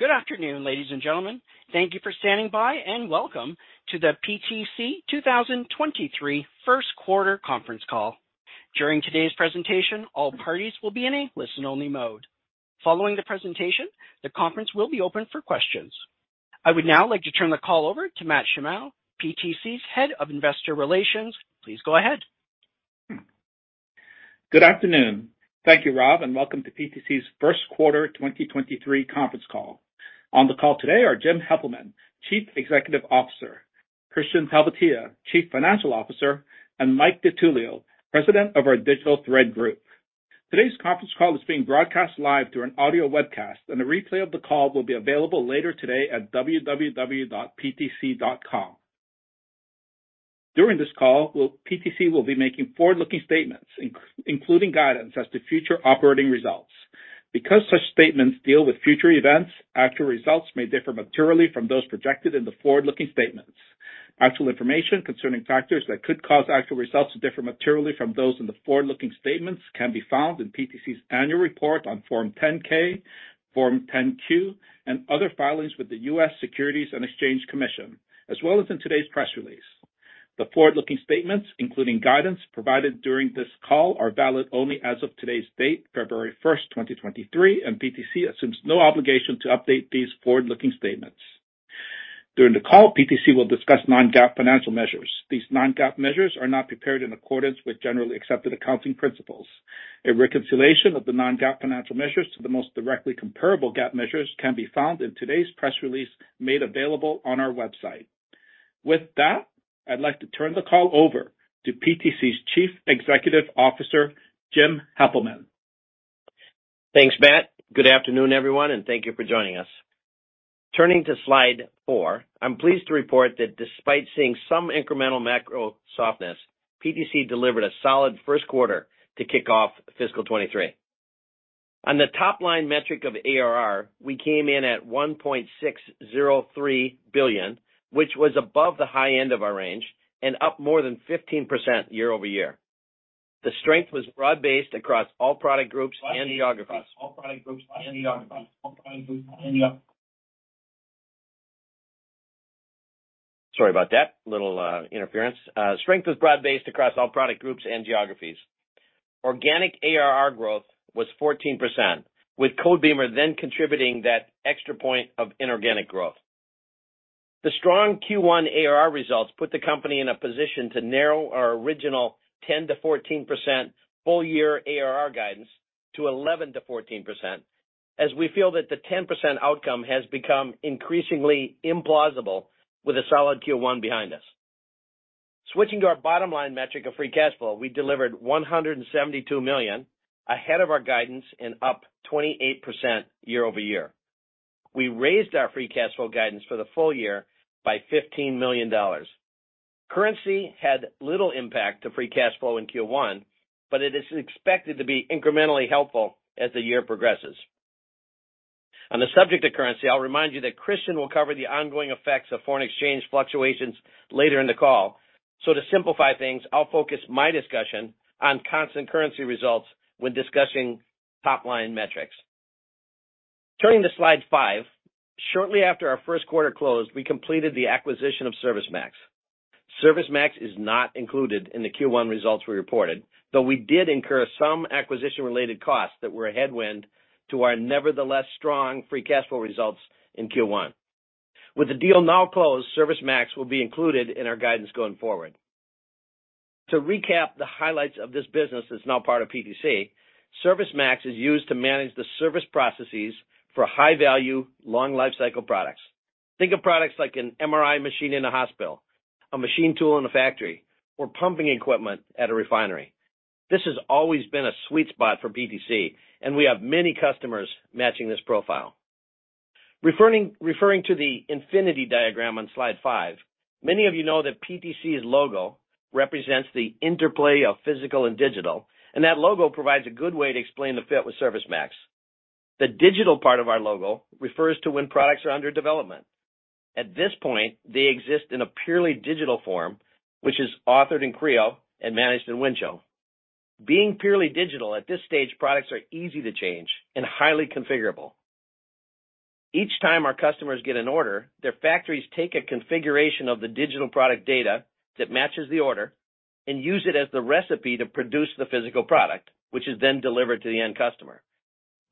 Good afternoon, ladies and gentlemen. Thank you for standing by, and welcome to the PTC 2023 first quarter conference call. During today's presentation, all parties will be in a listen-only mode. Following the presentation, the conference will be open for questions. I would now like to turn the call over to Matt Shimao, PTC's Head of Investor Relations. Please go ahead. Good afternoon. Thank you, Rob, welcome to PTC's first quarter 2023 conference call. On the call today are Jim Heppelmann, Chief Executive Officer, Kristian Talvitie, Chief Financial Officer, and Mike DiTullio, President of our Digital Thread Group. Today's conference call is being broadcast live through an audio webcast, a replay of the call will be available later today at www.ptc.com. During this call, PTC will be making forward-looking statements, including guidance as to future operating results. Such statements deal with future events, actual results may differ materially from those projected in the forward-looking statements. Actual information concerning factors that could cause actual results to differ materially from those in the forward-looking statements can be found in PTC's annual report on Form 10-K, Form 10-Q, other filings with the U.S. Securities and Exchange Commission, as well as in today's press release. The forward-looking statements, including guidance, provided during this call are valid only as of today's date, February 1st, 2023, and PTC assumes no obligation to update these forward-looking statements. During the call, PTC will discuss non-GAAP financial measures. These non-GAAP measures are not prepared in accordance with generally accepted accounting principles. A reconciliation of the non-GAAP financial measures to the most directly comparable GAAP measures can be found in today's press release made available on our website. With that, I'd like to turn the call over to PTC's Chief Executive Officer, Jim Heppelmann. Thanks, Matt. Good afternoon, everyone, and thank you for joining us. Turning to slide four, I'm pleased to report that despite seeing some incremental macro softness, PTC delivered a solid first quarter to kick off fiscal 2023. On the top-line metric of ARR, we came in at $1.603 billion, which was above the high end of our range and up more than 15% year-over-year. The strength was broad-based across all product groups and geographies. strength was broad-based across all product groups and geographies. Organic ARR growth was 14%, with Codebeamer then contributing that extra point of inorganic growth. The strong Q1 ARR results put the company in a position to narrow our original 10%-14% full year ARR guidance to 11%-14%, as we feel that the 10% outcome has become increasingly implausible with a solid Q1 behind us. Switching to our bottom line metric of free cash flow, we delivered $172 million, ahead of our guidance and up 28% year-over-year. We raised our free cash flow guidance for the full year by $15 million. Currency had little impact to free cash flow in Q1, it is expected to be incrementally helpful as the year progresses. On the subject of currency, I'll remind you that Kristian will cover the ongoing effects of foreign exchange fluctuations later in the call. To simplify things, I'll focus my discussion on constant currency results when discussing top-line metrics. Turning to slide five, shortly after our first quarter closed, we completed the acquisition of ServiceMax. ServiceMax is not included in the Q1 results we reported, though we did incur some acquisition-related costs that were a headwind to our nevertheless strong free cash flow results in Q1. With the deal now closed, ServiceMax will be included in our guidance going forward. To recap the highlights of this business that's now part of PTC, ServiceMax is used to manage the service processes for high-value, long lifecycle products. Think of products like an MRI machine in a hospital, a machine tool in a factory, or pumping equipment at a refinery. This has always been a sweet spot for PTC, and we have many customers matching this profile. Referring to the infinity diagram on slide five, many of you know that PTC's logo represents the interplay of physical and digital. That logo provides a good way to explain the fit with ServiceMax. The digital part of our logo refers to when products are under development. At this point, they exist in a purely digital form, which is authored in Creo and managed in Windchill. Being purely digital at this stage, products are easy to change and highly configurable. Each time our customers get an order, their factories take a configuration of the digital product data that matches the order and use it as the recipe to produce the physical product, which is then delivered to the end customer.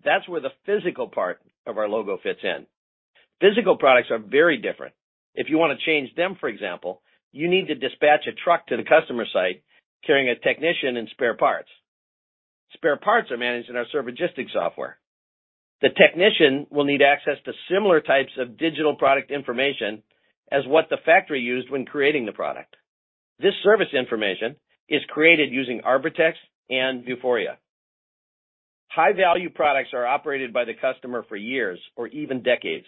That's where the physical part of our logo fits in. Physical products are very different. If you wanna change them, for example, you need to dispatch a truck to the customer site carrying a technician and spare parts. Spare parts are managed in our Servigistics software. The technician will need access to similar types of digital product information as what the factory used when creating the product. This service information is created using Arbortext and Vuforia. High-value products are operated by the customer for years or even decades.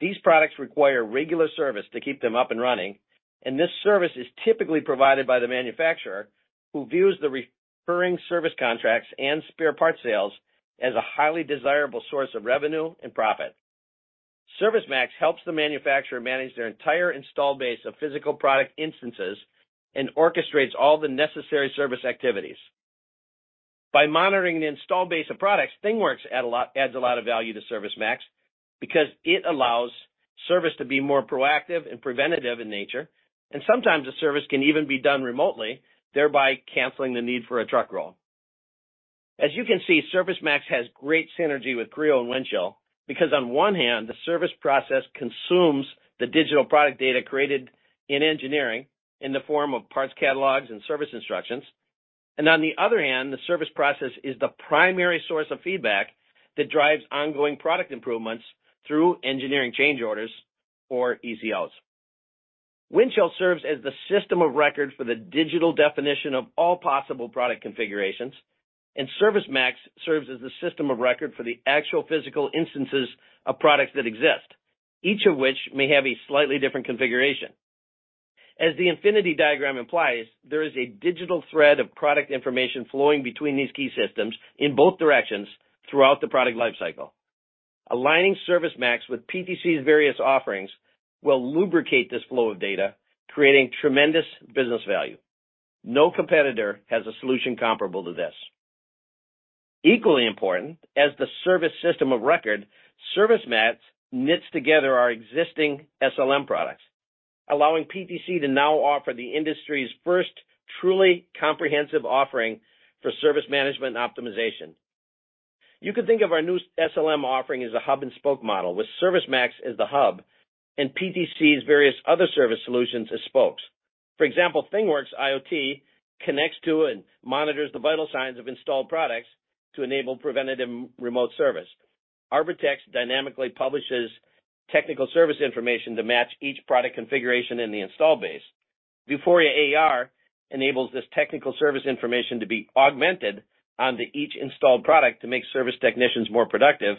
These products require regular service to keep them up and running, and this service is typically provided by the manufacturer, who views the recurring service contracts and spare parts sales as a highly desirable source of revenue and profit. ServiceMax helps the manufacturer manage their entire install base of physical product instances and orchestrates all the necessary service activities. By monitoring the install base of products, ThingWorx adds a lot of value to ServiceMax because it allows service to be more proactive and preventative in nature. Sometimes the service can even be done remotely, thereby canceling the need for a truck roll. As you can see, ServiceMax has great synergy with Creo and Windchill because on one hand, the service process consumes the digital product data created in engineering in the form of parts catalogs and service instructions. On the other hand, the service process is the primary source of feedback that drives ongoing product improvements through engineering change orders or ECLS. Windchill serves as the system of record for the digital definition of all possible product configurations, and ServiceMax serves as the system of record for the actual physical instances of products that exist, each of which may have a slightly different configuration. As the infinity diagram implies, there is a digital thread of product information flowing between these key systems in both directions throughout the product life cycle. Aligning ServiceMax with PTC's various offerings will lubricate this flow of data, creating tremendous business value. No competitor has a solution comparable to this. Equally important, as the service system of record, ServiceMax knits together our existing SLM products, allowing PTC to now offer the industry's first truly comprehensive offering for service management and optimization. You can think of our new SLM offering as a hub and spoke model, with ServiceMax as the hub and PTC's various other service solutions as spokes. For example, ThingWorx IoT connects to and monitors the vital signs of installed products to enable preventative remote service. Arbortext dynamically publishes technical service information to match each product configuration in the install base. Vuforia AR enables this technical service information to be augmented onto each installed product to make service technicians more productive.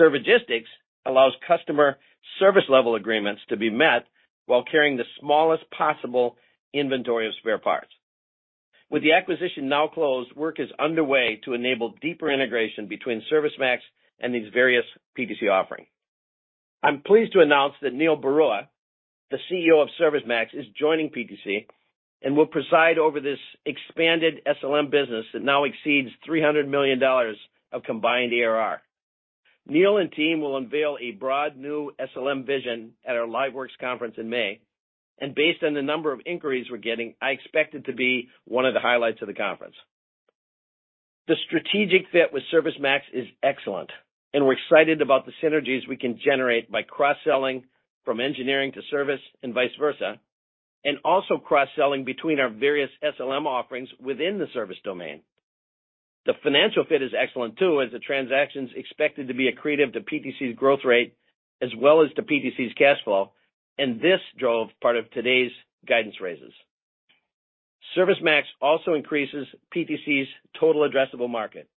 Servigistics allows customer service level agreements to be met while carrying the smallest possible inventory of spare parts. With the acquisition now closed, work is underway to enable deeper integration between ServiceMax and these various PTC offerings. I'm pleased to announce that Neil Barua, the CEO of ServiceMax, is joining PTC and will preside over this expanded SLM business that now exceeds $300 million of combined ARR. Neil and team will unveil a broad new SLM vision at our LiveWorx conference in May, based on the number of inquiries we're getting, I expect it to be one of the highlights of the conference. The strategic fit with ServiceMax is excellent, and we're excited about the synergies we can generate by cross-selling from engineering to service and vice versa, and also cross-selling between our various SLM offerings within the service domain. The financial fit is excellent too, as the transaction's expected to be accretive to PTC's growth rate as well as to PTC's cash flow, and this drove part of today's guidance raises. ServiceMax also increases PTC's total addressable market.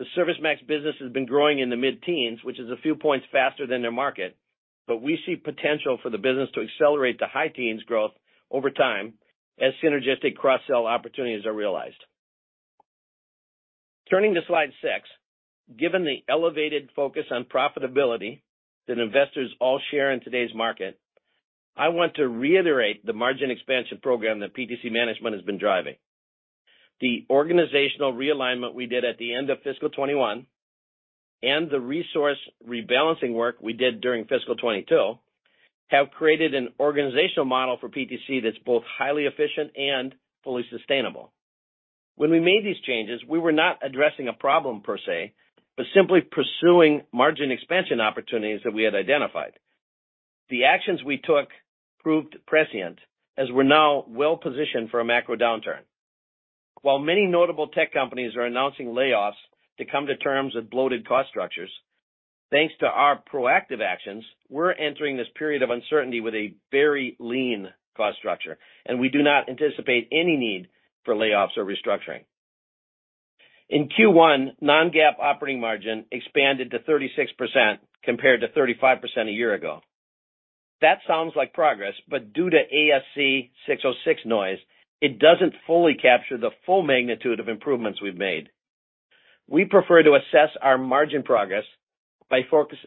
The ServiceMax business has been growing in the mid-teens, which is a few points faster than their market, but we see potential for the business to accelerate to high teens growth over time as synergistic cross-sell opportunities are realized. Turning to slide 6, given the elevated focus on profitability that investors all share in today's market, I want to reiterate the margin expansion program that PTC management has been driving. The organizational realignment we did at the end of fiscal 2021 and the resource rebalancing work we did during fiscal 2022 have created an organizational model for PTC that's both highly efficient and fully sustainable. When we made these changes, we were not addressing a problem per se, but simply pursuing margin expansion opportunities that we had identified. The actions we took proved prescient as we're now well positioned for a macro downturn. While many notable tech companies are announcing layoffs to come to terms with bloated cost structures, thanks to our proactive actions, we're entering this period of uncertainty with a very lean cost structure, and we do not anticipate any need for layoffs or restructuring. In Q1, non-GAAP operating margin expanded to 36% compared to 35% a year ago. That sounds like progress, but due to ASC 606 noise, it doesn't fully capture the full magnitude of improvements we've made. We prefer to assess our margin progress by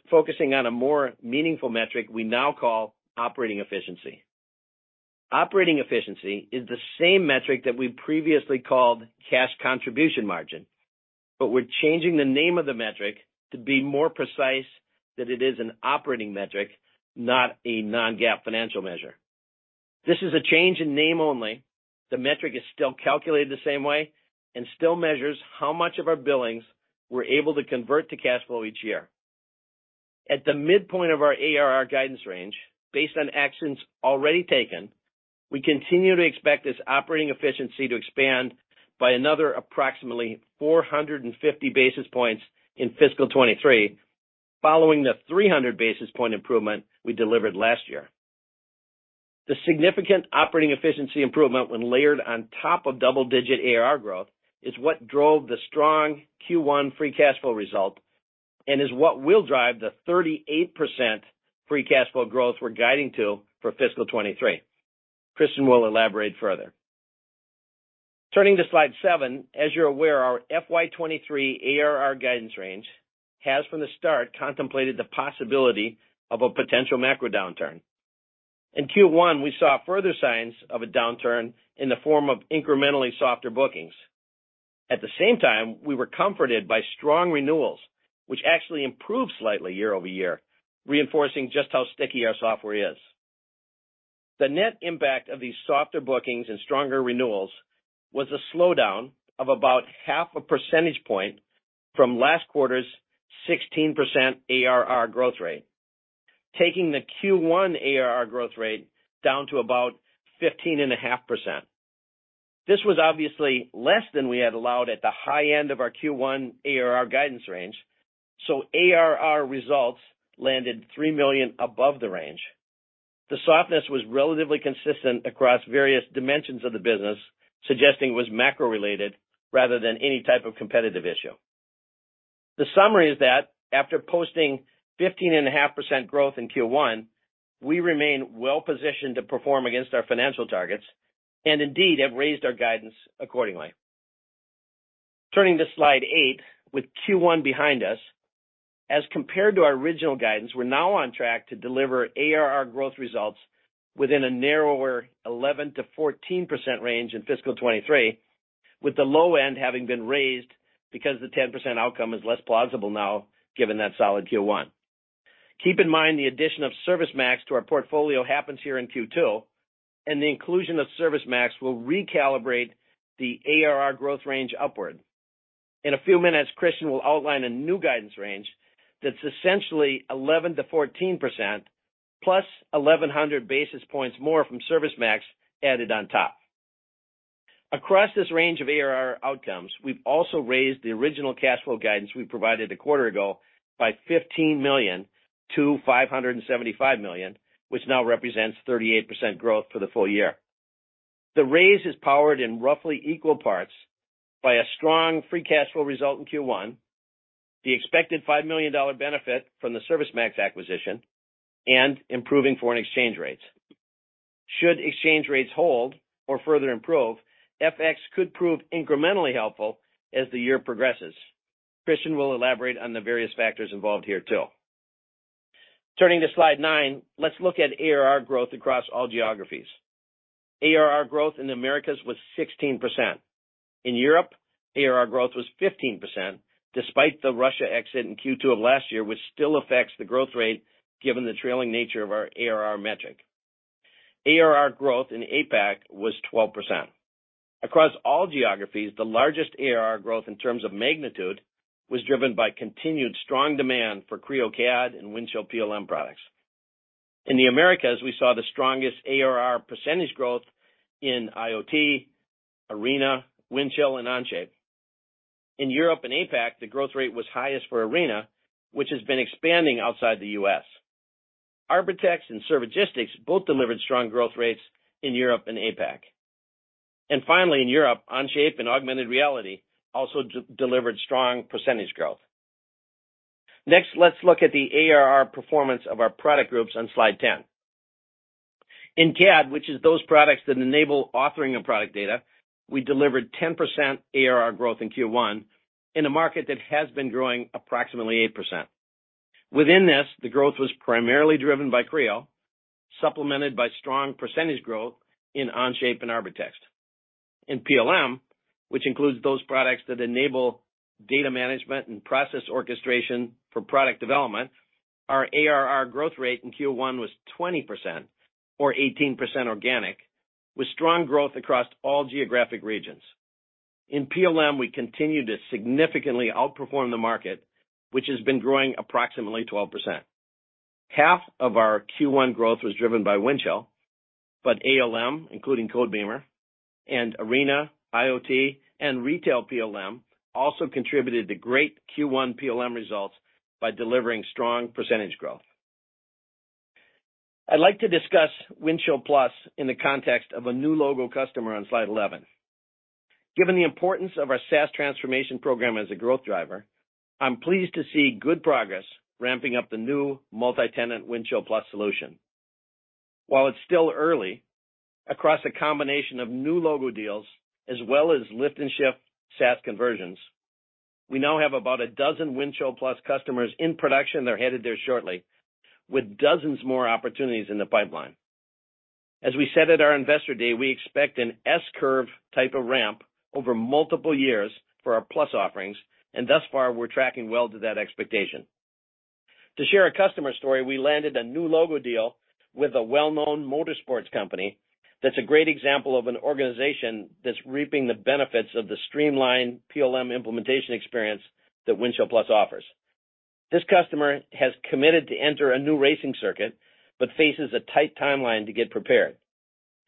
focusing on a more meaningful metric we now call operating efficiency. Operating efficiency is the same metric that we previously called cash contribution margin, but we're changing the name of the metric to be more precise that it is an operating metric, not a non-GAAP financial measure. This is a change in name only. The metric is still calculated the same way and still measures how much of our billings we're able to convert to cash flow each year. At the midpoint of our ARR guidance range, based on actions already taken, we continue to expect this operating efficiency to expand by another approximately 450 basis points in fiscal 2023, following the 300 basis point improvement we delivered last year. The significant operating efficiency improvement when layered on top of double-digit ARR growth is what drove the strong Q1 free cash flow result and is what will drive the 38% free cash flow growth we're guiding to for fiscal 2023. Kristian will elaborate further. Turning to slide seven. As you're aware, our FY 2023 ARR guidance range has from the start contemplated the possibility of a potential macro downturn. In Q1, we saw further signs of a downturn in the form of incrementally softer bookings. At the same time, we were comforted by strong renewals, which actually improved slightly year-over-year, reinforcing just how sticky our software is. The net impact of these softer bookings and stronger renewals was a slowdown of about 0.5 percentage point from last quarter's 16% ARR growth rate, taking the Q1 ARR growth rate down to about 15.5%. This was obviously less than we had allowed at the high end of our Q1 ARR guidance range, so ARR results landed $3 million above the range. The softness was relatively consistent across various dimensions of the business, suggesting it was macro-related rather than any type of competitive issue. The summary is that after posting 15.5% growth in Q1, we remain well-positioned to perform against our financial targets and indeed have raised our guidance accordingly. Turning to slide eight. With Q1 behind us, as compared to our original guidance, we're now on track to deliver ARR growth results within a narrower 11%-14% range in fiscal 2023, with the low end having been raised because the 10% outcome is less plausible now given that solid Q1. Keep in mind the addition of ServiceMax to our portfolio happens here in Q2, and the inclusion of ServiceMax will recalibrate the ARR growth range upward. In a few minutes, Kristian will outline a new guidance range that's essentially 11%-14% plus 1,100 basis points more from ServiceMax added on top. Across this range of ARR outcomes, we've also raised the original cash flow guidance we provided a quarter ago by $15 million to $575 million, which now represents 38% growth for the full year. The raise is powered in roughly equal parts by a strong free cash flow result in Q1, the expected $5 million benefit from the ServiceMax acquisition, and improving foreign exchange rates. Should exchange rates hold or further improve, FX could prove incrementally helpful as the year progresses. Kristian will elaborate on the various factors involved here too. Turning to slide nine, let's look at ARR growth across all geographies. ARR growth in the Americas was 16%. In Europe, ARR growth was 15% despite the Russia exit in Q2 of last year, which still affects the growth rate given the trailing nature of our ARR metric. ARR growth in APAC was 12%. Across all geographies, the largest ARR growth in terms of magnitude was driven by continued strong demand for Creo CAD and Windchill PLM products. In the Americas, we saw the strongest ARR % growth in IoT, Arena, Windchill, and Onshape. In Europe and APAC, the growth rate was highest for Arena, which has been expanding outside the US. Arbortext and Servigistics both delivered strong growth rates in Europe and APAC. Finally, in Europe, Onshape and augmented reality also delivered strong % growth. Next, let's look at the ARR performance of our product groups on slide 10. In CAD, which is those products that enable authoring of product data, we delivered 10% ARR growth in Q1 in a market that has been growing approximately 8%. Within this, the growth was primarily driven by Creo, supplemented by strong % growth in Onshape and Arbortext. In PLM, which includes those products that enable data management and process orchestration for product development, our ARR growth rate in Q1 was 20% or 18% organic, with strong growth across all geographic regions. In PLM, we continued to significantly outperform the market, which has been growing approximately 12%. ALM, including Codebeamer and Arena, IoT, and Retail PLM also contributed to great Q1 PLM results by delivering strong percentage growth. I'd like to discuss Windchill+ in the context of a new logo customer on slide 11. Given the importance of our SaaS transformation program as a growth driver, I'm pleased to see good progress ramping up the new multi-tenant Windchill+ solution. While it's still early, across a combination of new logo deals as well as lift and shift SaaS conversions, we now have about 12 Windchill+ customers in production or headed there shortly, with dozens more opportunities in the pipeline. As we said at our investor day, we expect an S-curve type of ramp over multiple years for our Plus offerings, and thus far, we're tracking well to that expectation. To share a customer story, we landed a new logo deal with a well-known motorsports company that's a great example of an organization that's reaping the benefits of the streamlined PLM implementation experience that Windchill+ offers. This customer has committed to enter a new racing circuit but faces a tight timeline to get prepared.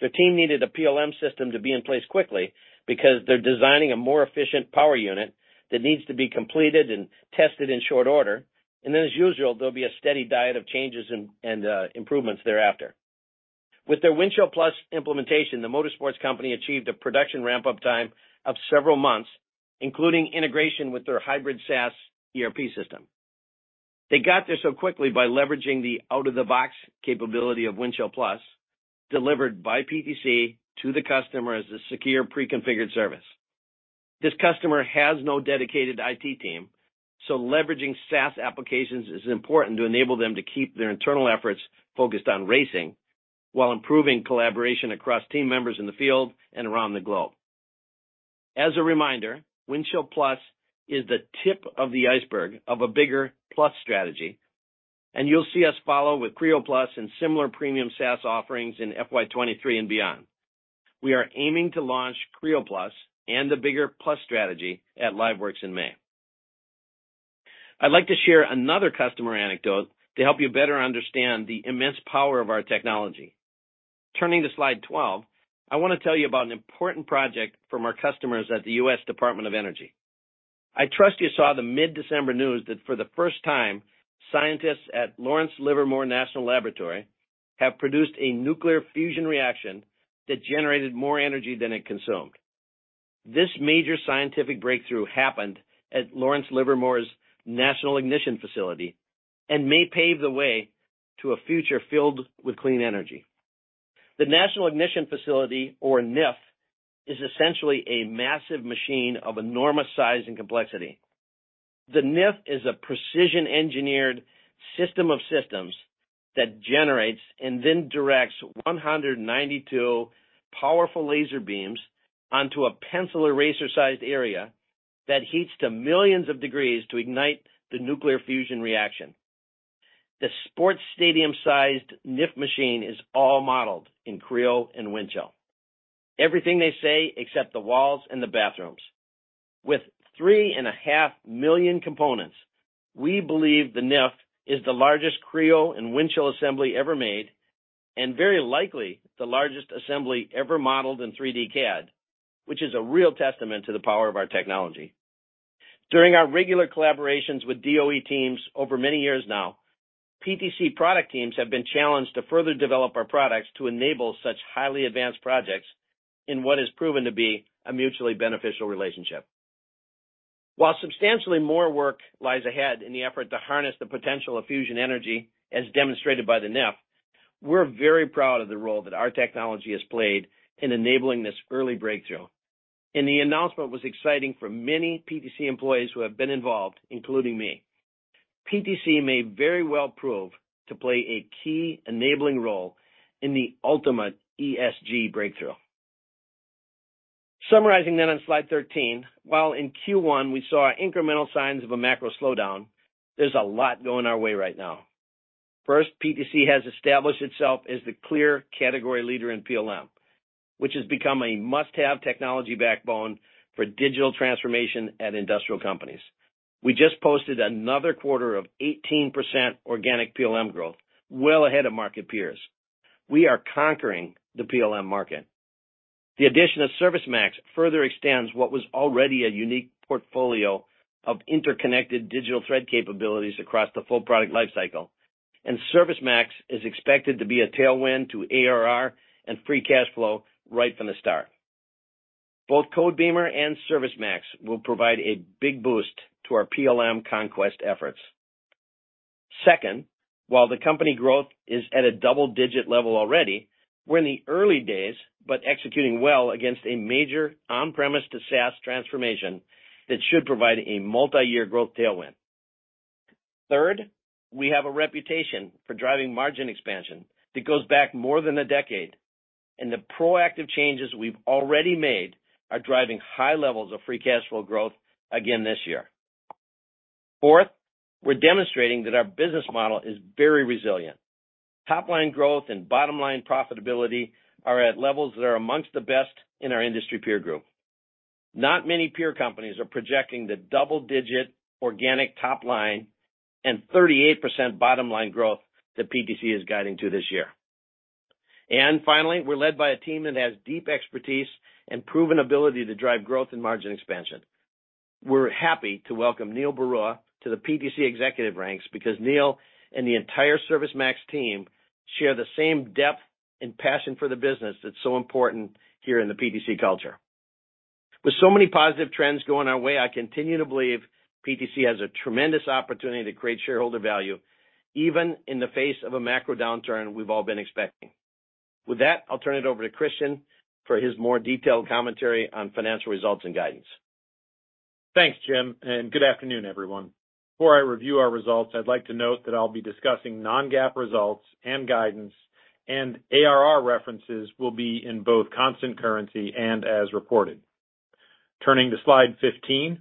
The team needed a PLM system to be in place quickly because they're designing a more efficient power unit that needs to be completed and tested in short order. As usual, there'll be a steady diet of changes and improvements thereafter. With their Windchill+ implementation, the motorsports company achieved a production ramp-up time of several months, including integration with their hybrid SaaS ERP system. They got there so quickly by leveraging the out-of-the-box capability of Windchill+, delivered by PTC to the customer as a secure pre-configured service. This customer has no dedicated IT team, leveraging SaaS applications is important to enable them to keep their internal efforts focused on racing while improving collaboration across team members in the field and around the globe. As a reminder, Windchill+ is the tip of the iceberg of a bigger plus strategy, and you'll see us follow with Creo+ and similar premium SaaS offerings in FY 2023 and beyond. We are aiming to launch Creo+ and the bigger Plus strategy at LiveWorx in May. I'd like to share another customer anecdote to help you better understand the immense power of our technology. Turning to slide 12, I want to tell you about an important project from our customers at the U.S. Department of Energy. I trust you saw the mid-December news that for the first time, scientists at Lawrence Livermore National Laboratory have produced a nuclear fusion reaction that generated more energy than it consumed. This major scientific breakthrough happened at Lawrence Livermore's National Ignition Facility and may pave the way to a future filled with clean energy. The National Ignition Facility, or NIF, is essentially a massive machine of enormous size and complexity. The NIF is a precision-engineered system of systems that generates and then directs 192 powerful laser beams onto a pencil eraser-sized area that heats to millions of degrees to ignite the nuclear fusion reaction. The sports stadium-sized NIF machine is all modeled in Creo and Windchill. Everything they say except the walls and the bathrooms. With 3.5 million components, we believe the NIF is the largest Creo and Windchill assembly ever made, and very likely the largest assembly ever modeled in 3D CAD, which is a real testament to the power of our technology. During our regular collaborations with DoE teams over many years now, PTC product teams have been challenged to further develop our products to enable such highly advanced projects in what has proven to be a mutually beneficial relationship. While substantially more work lies ahead in the effort to harness the potential of fusion energy, as demonstrated by the NIF, we're very proud of the role that our technology has played in enabling this early breakthrough, and the announcement was exciting for many PTC employees who have been involved, including me. PTC may very well prove to play a key enabling role in the ultimate ESG breakthrough. Summarizing on slide 13, while in Q1 we saw incremental signs of a macro slowdown, there's a lot going our way right now. First, PTC has established itself as the clear category leader in PLM, which has become a must-have technology backbone for digital transformation at industrial companies. We just posted another quarter of 18% organic PLM growth, well ahead of market peers. We are conquering the PLM market. The addition of ServiceMax further extends what was already a unique portfolio of interconnected digital thread capabilities across the full product life cycle, and ServiceMax is expected to be a tailwind to ARR and free cash flow right from the start. Both Codebeamer and ServiceMax will provide a big boost to our PLM conquest efforts. Second, while the company growth is at a double-digit level already, we're in the early days, but executing well against a major on-premise to SaaS transformation that should provide a multi-year growth tailwind. Third, we have a reputation for driving margin expansion that goes back more than a decade, and the proactive changes we've already made are driving high levels of free cash flow growth again this year. Fourth, we're demonstrating that our business model is very resilient. Top line growth and bottom line profitability are at levels that are amongst the best in our industry peer group. Not many peer companies are projecting the double-digit organic top line and 38% bottom line growth that PTC is guiding to this year. Finally, we're led by a team that has deep expertise and proven ability to drive growth and margin expansion. We're happy to welcome Neil Barua to the PTC executive ranks because Neil and the entire ServiceMax team share the same depth and passion for the business that's so important here in the PTC culture. With so many positive trends going our way, I continue to believe PTC has a tremendous opportunity to create shareholder value, even in the face of a macro downturn we've all been expecting. With that, I'll turn it over to Kristian for his more detailed commentary on financial results and guidance. Thanks, Jim. Good afternoon, everyone. Before I review our results, I'd like to note that I'll be discussing non-GAAP results and guidance, and ARR references will be in both constant currency and as reported. Turning to slide 15.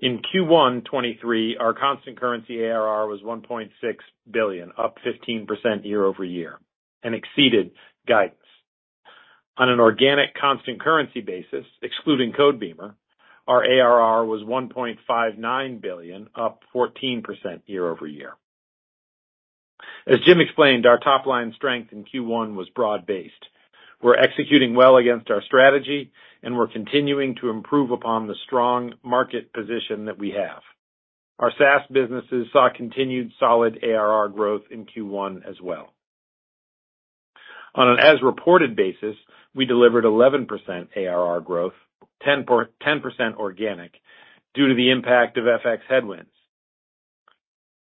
In Q1 2023, our constant currency ARR was $1.6 billion, up 15% year-over-year, and exceeded guidance. On an organic constant currency basis, excluding Codebeamer, our ARR was $1.59 billion, up 14% year-over-year. As Jim explained, our top-line strength in Q1 was broad-based. We're executing well against our strategy, and we're continuing to improve upon the strong market position that we have. Our SaaS businesses saw continued solid ARR growth in Q1 as well. On an as reported basis, we delivered 11% ARR growth, 10% organic due to the impact of FX headwinds.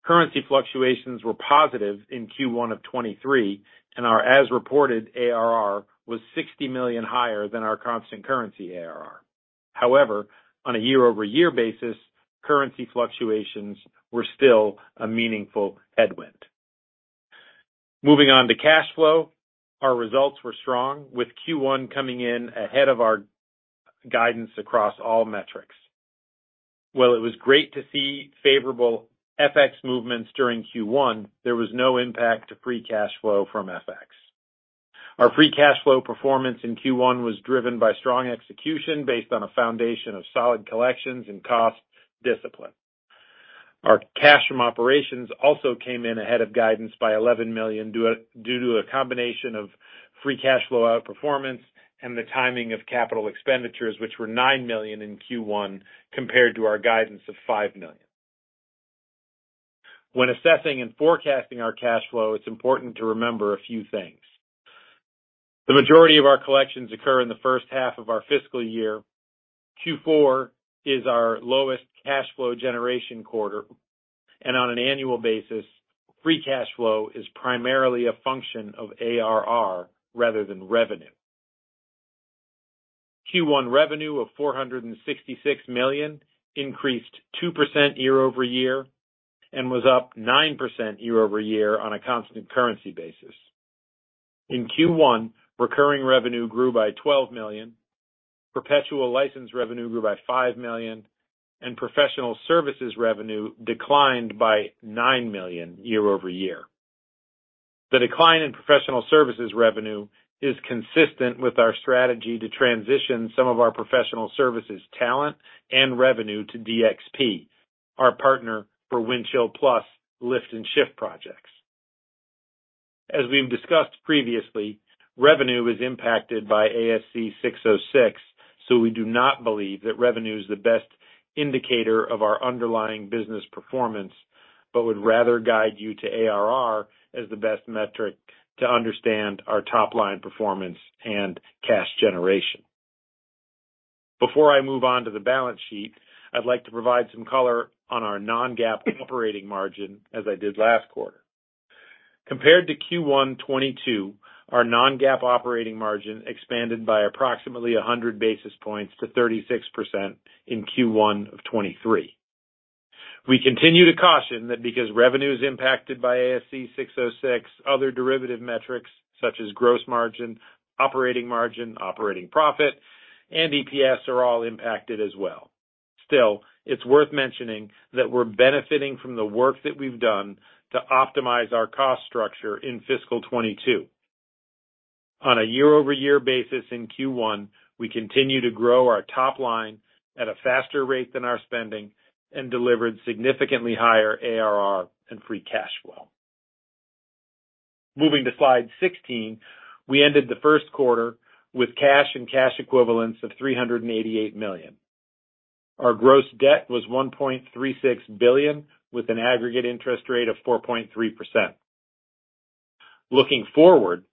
Currency fluctuations were positive in Q1 of 2023, and our as-reported ARR was $60 million higher than our constant currency ARR. However, on a year-over-year basis, currency fluctuations were still a meaningful headwind. Moving on to cash flow. Our results were strong, with Q1 coming in ahead of our guidance across all metrics. While it was great to see favorable FX movements during Q1, there was no impact to free cash flow from FX. Our free cash flow performance in Q1 was driven by strong execution based on a foundation of solid collections and cost discipline. Our cash from operations also came in ahead of guidance by $11 million due to a combination of free cash flow outperformance and the timing of capital expenditures, which were $9 million in Q1 compared to our guidance of $5 million. When assessing and forecasting our cash flow, it's important to remember a few things. The majority of our collections occur in the first half of our fiscal year. Q4 is our lowest cash flow generation quarter. On an annual basis, free cash flow is primarily a function of ARR rather than revenue. Q1 revenue of $466 million increased 2% year-over-year and was up 9% year-over-year on a constant currency basis. In Q1, recurring revenue grew by $12 million, perpetual license revenue grew by $5 million, and professional services revenue declined by $9 million year-over-year. The decline in professional services revenue is consistent with our strategy to transition some of our professional services talent and revenue to DxP, our partner for Windchill+ lift and shift projects. As we've discussed previously, revenue is impacted by ASC 606. We do not believe that revenue is the best indicator of our underlying business performance, but would rather guide you to ARR as the best metric to understand our top-line performance and cash generation. Before I move on to the balance sheet, I'd like to provide some color on our non-GAAP operating margin as I did last quarter. Compared to Q1 2022, our non-GAAP operating margin expanded by approximately 100 basis points to 36% in Q1 2023. We continue to caution that because revenue is impacted by ASC 606, other derivative metrics such as gross margin, operating margin, operating profit, and EPS are all impacted as well. It's worth mentioning that we're benefiting from the work that we've done to optimize our cost structure in fiscal 2022. On a year-over-year basis in Q1, we continue to grow our top line at a faster rate than our spending and delivered significantly higher ARR and free cash flow. Moving to slide 16, we ended the first quarter with cash and cash equivalents of $388 million. Our gross debt was $1.36 billion, with an aggregate interest rate of 4.3%. Looking forward,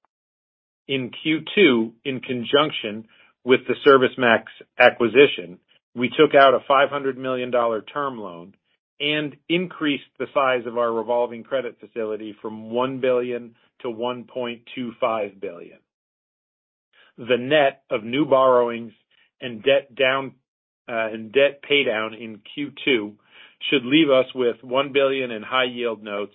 in Q2, in conjunction with the ServiceMax acquisition, we took out a $500 million term loan and increased the size of our revolving credit facility from $1 billion-$1.25 billion. The net of new borrowings and debt down and debt paydown in Q2 should leave us with $1 billion in high-yield notes,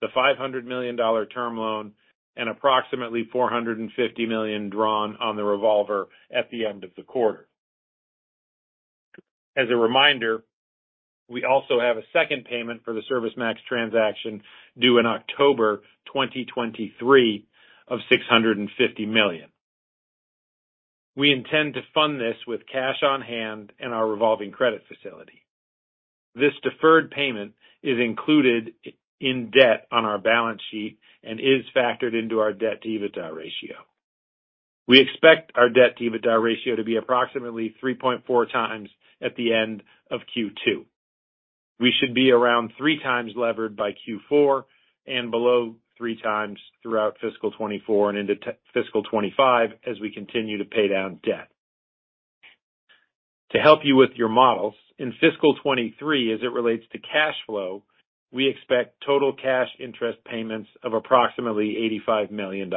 the $500 million term loan, and approximately $450 million drawn on the revolver at the end of the quarter. As a reminder, we also have a second payment for the ServiceMax transaction due in October 2023 of $650 million. We intend to fund this with cash on hand and our revolving credit facility. This deferred payment is included in debt on our balance sheet and is factored into our debt-to-EBITDA ratio. We expect our debt-to-EBITDA ratio to be approximately 3.4x at the end of Q2. We should be around 3x levered by Q4 and below 3x throughout fiscal 2024 and into fiscal 2025 as we continue to pay down debt. To help you with your models, in fiscal 2023, as it relates to cash flow, we expect total cash interest payments of approximately $85 million.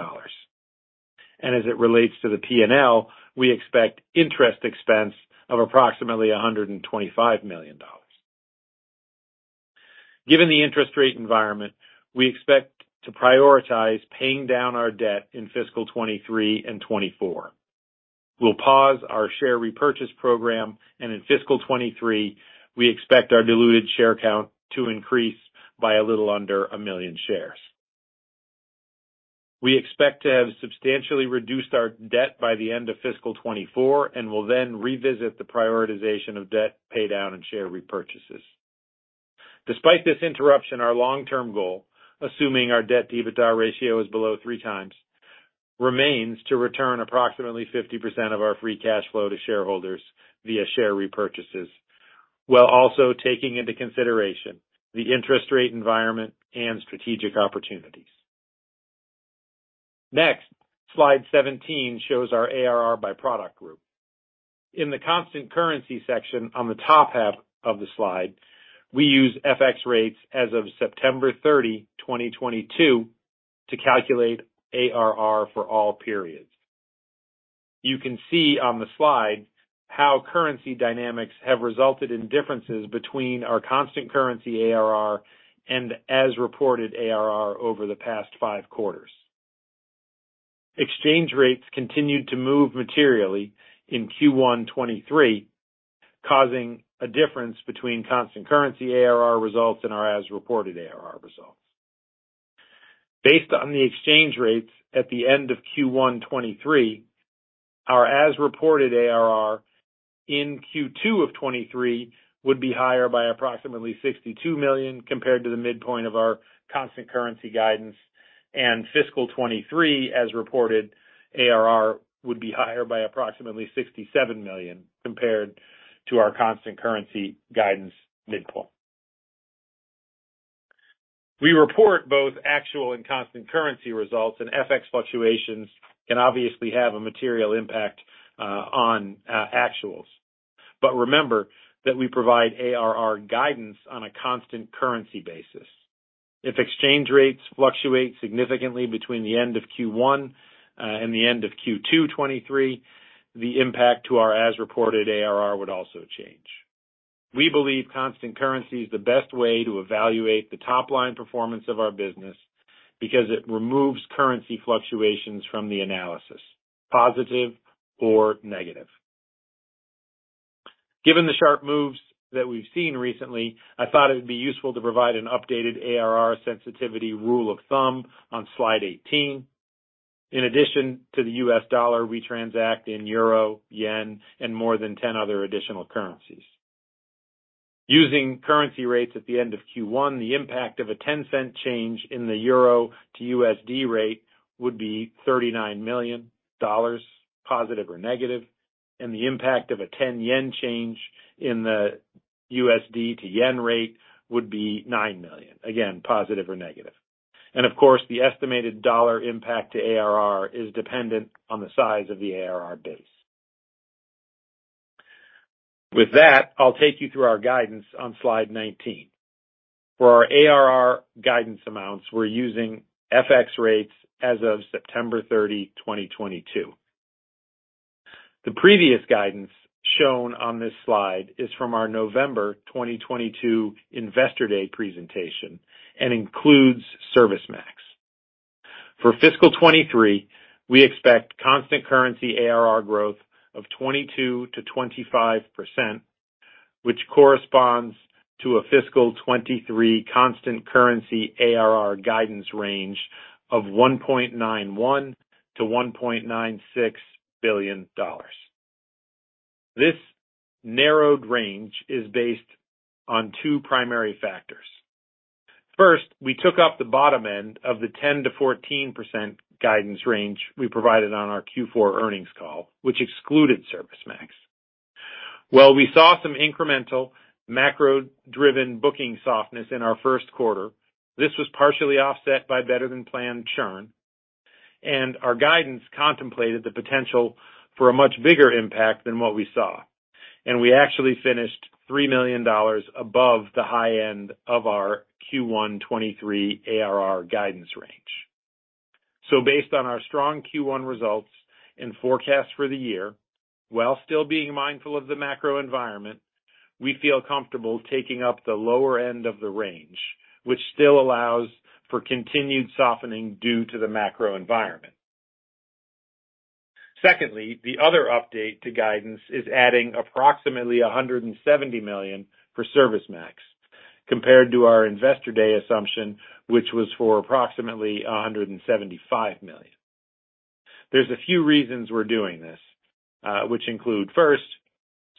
As it relates to the P&L, we expect interest expense of approximately $125 million. Given the interest rate environment, we expect to prioritize paying down our debt in fiscal 2023 and 2024. We'll pause our share repurchase program, and in fiscal 2023, we expect our diluted share count to increase by a little under 1 million shares. We expect to have substantially reduced our debt by the end of fiscal 2024 and will then revisit the prioritization of debt paydown and share repurchases. Despite this interruption, our long-term goal, assuming our debt-to-EBITDA ratio is below 3x, remains to return approximately 50% of our free cash flow to shareholders via share repurchases. While also taking into consideration the interest rate environment and strategic opportunities. Next, slide 17 shows our ARR by product group. In the constant currency section on the top 1/2 of the slide, we use FX rates as of September 30, 2022, to calculate ARR for all periods. You can see on the slide how currency dynamics have resulted in differences between our constant currency ARR and as-reported ARR over the past 5 quarters. Exchange rates continued to move materially in Q1 2023, causing a difference between constant currency ARR results and our as-reported ARR results. Based on the exchange rates at the end of Q1 2023, our as-reported ARR in Q2 of 2023 would be higher by approximately $62 million compared to the midpoint of our constant currency guidance. Fiscal 2023 as reported ARR would be higher by approximately $67 million compared to our constant currency guidance midpoint. We report both actual and constant currency results, FX fluctuations can obviously have a material impact on actuals. Remember that we provide ARR guidance on a constant currency basis. If exchange rates fluctuate significantly between the end of Q1 and the end of Q2 2023, the impact to our as-reported ARR would also change. We believe constant currency is the best way to evaluate the top-line performance of our business because it removes currency fluctuations from the analysis, positive or negative. Given the sharp moves that we've seen recently, I thought it would be useful to provide an updated ARR sensitivity rule of thumb on slide 18. In addition to the US dollar, we transact in euro, yen, and more than 10 other additional currencies. Using currency rates at the end of Q1, the impact of a 10-cent change in the euro to USD rate would be $39 million, positive or negative, and the impact of a 10-yen change in the USD to yen rate would be 9 million, again, positive or negative. Of course, the estimated dollar impact to ARR is dependent on the size of the ARR base. With that, I'll take you through our guidance on slide 19. For our ARR guidance amounts, we're using FX rates as of September 30, 2022. The previous guidance shown on this slide is from our November 2022 Investor Day presentation and includes ServiceMax. For fiscal '23, we expect constant currency ARR growth of 22%-25%, which corresponds to a fiscal '23 constant currency ARR guidance range of $1.91 billion-$1.96 billion. This narrowed range is based on two primary factors. First, we took up the bottom end of the 10%-14% guidance range we provided on our Q4 earnings call, which excluded ServiceMax. While we saw some incremental macro-driven booking softness in our first quarter, this was partially offset by better-than-planned churn, and our guidance contemplated the potential for a much bigger impact than what we saw. We actually finished $3 million above the high end of our Q1 2023 ARR guidance range. Based on our strong Q1 results and forecast for the year, while still being mindful of the macro environment, we feel comfortable taking up the lower end of the range, which still allows for continued softening due to the macro environment. The other update to guidance is adding approximately $170 million for ServiceMax compared to our Investor Day assumption, which was for approximately $175 million. There's a few reasons we're doing this, which include, first,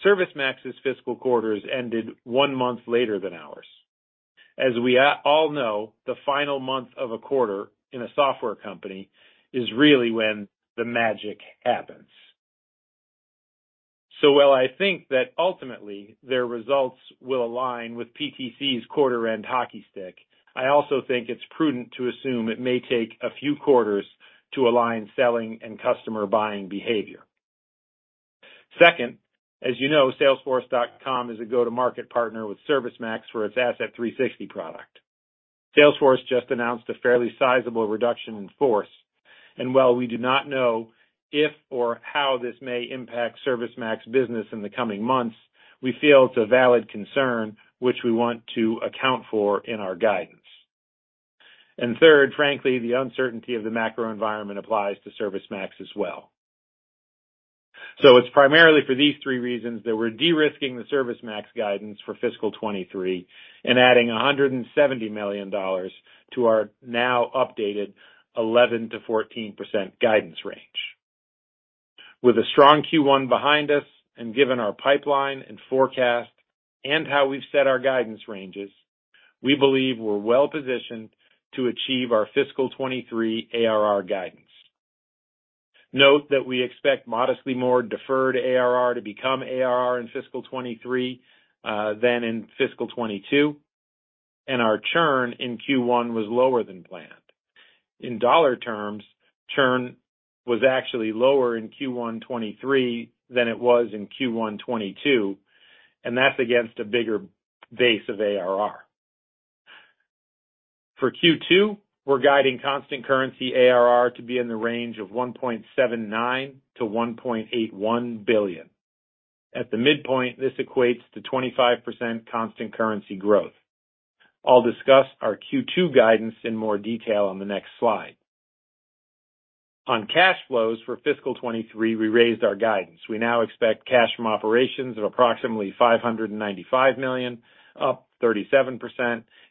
ServiceMax's fiscal quarters ended one month later than ours. As we all know, the final month of a quarter in a software company is really when the magic happens. While I think that ultimately their results will align with PTC's quarter end hockey stick, I also think it's prudent to assume it may take a few quarters to align selling and customer buying behavior. Second, as you know, Salesforce.com is a Go-to-Market partner with ServiceMax for its Asset 360 product. Salesforce just announced a fairly sizable reduction in force, and while we do not know if or how this may impact ServiceMax business in the coming months, we feel it's a valid concern which we want to account for in our guidance. Third, frankly, the uncertainty of the macro environment applies to ServiceMax as well. It's primarily for these three reasons that we're de-risking the ServiceMax guidance for fiscal 2023 and adding $170 million to our now updated 11%-14% guidance range. With a strong Q1 behind us and given our pipeline and forecast and how we've set our guidance ranges, we believe we're well-positioned to achieve our fiscal 2023 ARR guidance. Note that we expect modestly more deferred ARR to become ARR in fiscal 2023 than in fiscal 2022, and our churn in Q1 was lower than planned. In dollar terms, churn was actually lower in Q1 2023 than it was in Q1 2022, and that's against a bigger base of ARR. For Q2, we're guiding constant currency ARR to be in the range of $1.79 billion-$1.81 billion. At the midpoint, this equates to 25% constant currency growth. I'll discuss our Q2 guidance in more detail on the next slide. On cash flows for fiscal 2023, we raised our guidance. We now expect cash from operations of approximately $595 million, up 37%,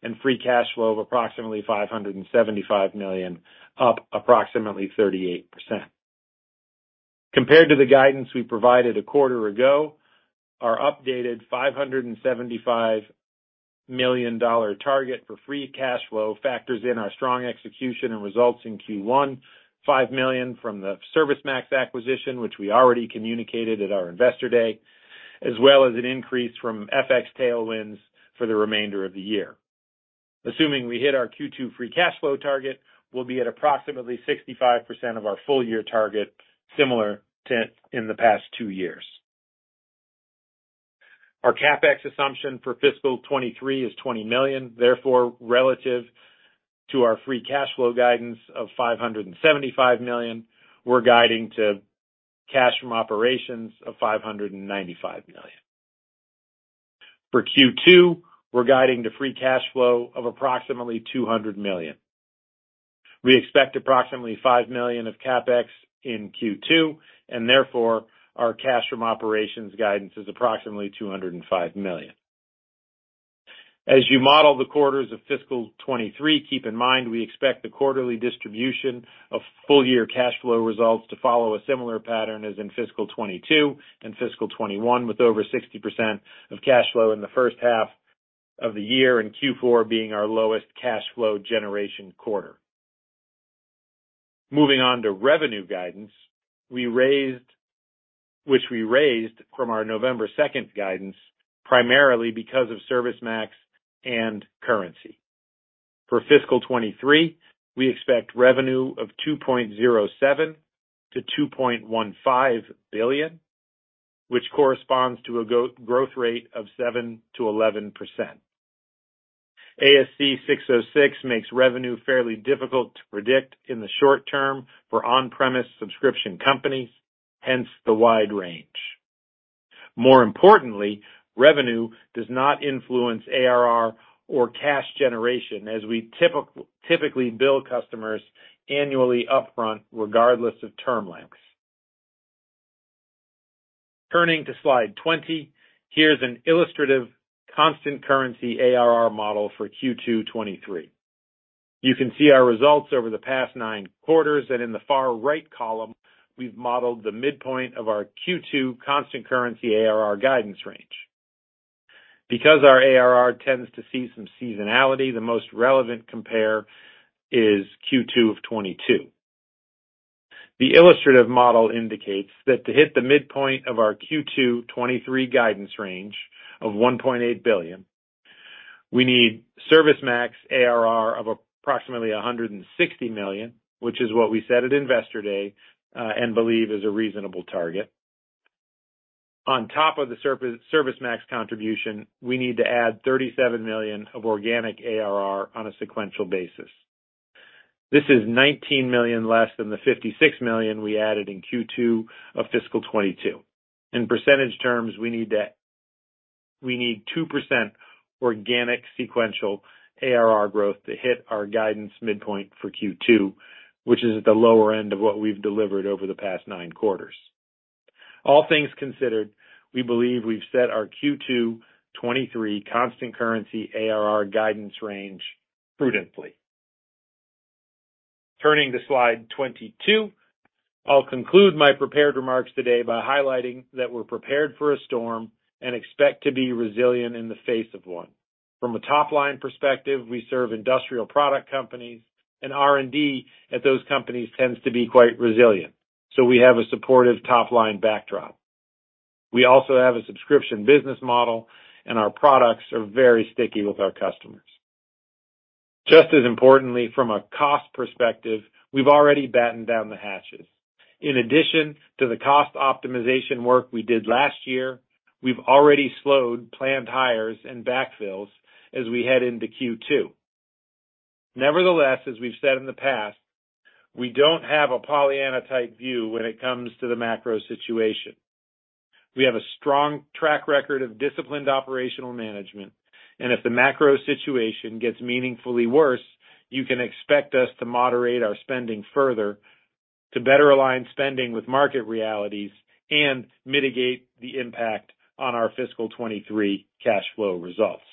and free cash flow of approximately $575 million, up approximately 38%. Compared to the guidance we provided a quarter ago, our updated $575 million target for free cash flow factors in our strong execution and results in Q1, $5 million from the ServiceMax acquisition, which we already communicated at our Investor Day, as well as an increase from FX tailwinds for the remainder of the year. Assuming we hit our Q2 free cash flow target, we'll be at approximately 65% of our full-year target, similar to in the past two years. Our CapEx assumption for fiscal 2023 is $20 million. Relative to our free cash flow guidance of $575 million, we're guiding to cash from operations of $595 million. For Q2, we're guiding to free cash flow of approximately $200 million. We expect approximately $5 million of CapEx in Q2, and therefore our cash from operations guidance is approximately $205 million. As you model the quarters of fiscal 2023, keep in mind we expect the quarterly distribution of full-year cash flow results to follow a similar pattern as in fiscal 2022 and fiscal 2021, with over 60% of cash flow in the first half of the year, and Q4 being our lowest cash flow generation quarter. Moving on to revenue guidance, which we raised from our November 2nd guidance primarily because of ServiceMax and currency. For fiscal 2023, we expect revenue of $2.07 billion-$2.15 billion, which corresponds to a go-growth rate of 7%-11%. ASC 606 makes revenue fairly difficult to predict in the short term for on-premise subscription companies, hence the wide range. More importantly, revenue does not influence ARR or cash generation, as we typically bill customers annually upfront regardless of term lengths. Turning to slide 20, here's an illustrative constant currency ARR model for Q2 2023. You can see our results over the past nine quarters, in the far right column, we've modeled the midpoint of our Q2 constant currency ARR guidance range. Because our ARR tends to see some seasonality, the most relevant compare is Q2 of 2022. The illustrative model indicates that to hit the midpoint of our Q2 2023 guidance range of $1.8 billion, we need ServiceMax ARR of approximately $160 million, which is what we said at Investor Day and believe is a reasonable target. On top of the ServiceMax contribution, we need to add $37 million of organic ARR on a sequential basis. This is $19 million less than the $56 million we added in Q2 of fiscal 2022. In percentage terms, We need 2% organic sequential ARR growth to hit our guidance midpoint for Q2, which is at the lower end of what we've delivered over the past nine quarters. All things considered, we believe we've set our Q2 2023 constant currency ARR guidance range prudently. Turning to slide 22, I'll conclude my prepared remarks today by highlighting that we're prepared for a storm and expect to be resilient in the face of one. From a top-line perspective, we serve industrial product companies, and R&D at those companies tends to be quite resilient, so we have a supportive top-line backdrop. We also have a subscription business model, and our products are very sticky with our customers. Just as importantly, from a cost perspective, we've already battened down the hatches. In addition to the cost optimization work we did last year, we've already slowed planned hires and backfills as we head into Q2. Nevertheless, as we've said in the past, we don't have a Pollyanna-type view when it comes to the macro situation. We have a strong track record of disciplined operational management, and if the macro situation gets meaningfully worse, you can expect us to moderate our spending further to better align spending with market realities and mitigate the impact on our fiscal 2023 cash flow results.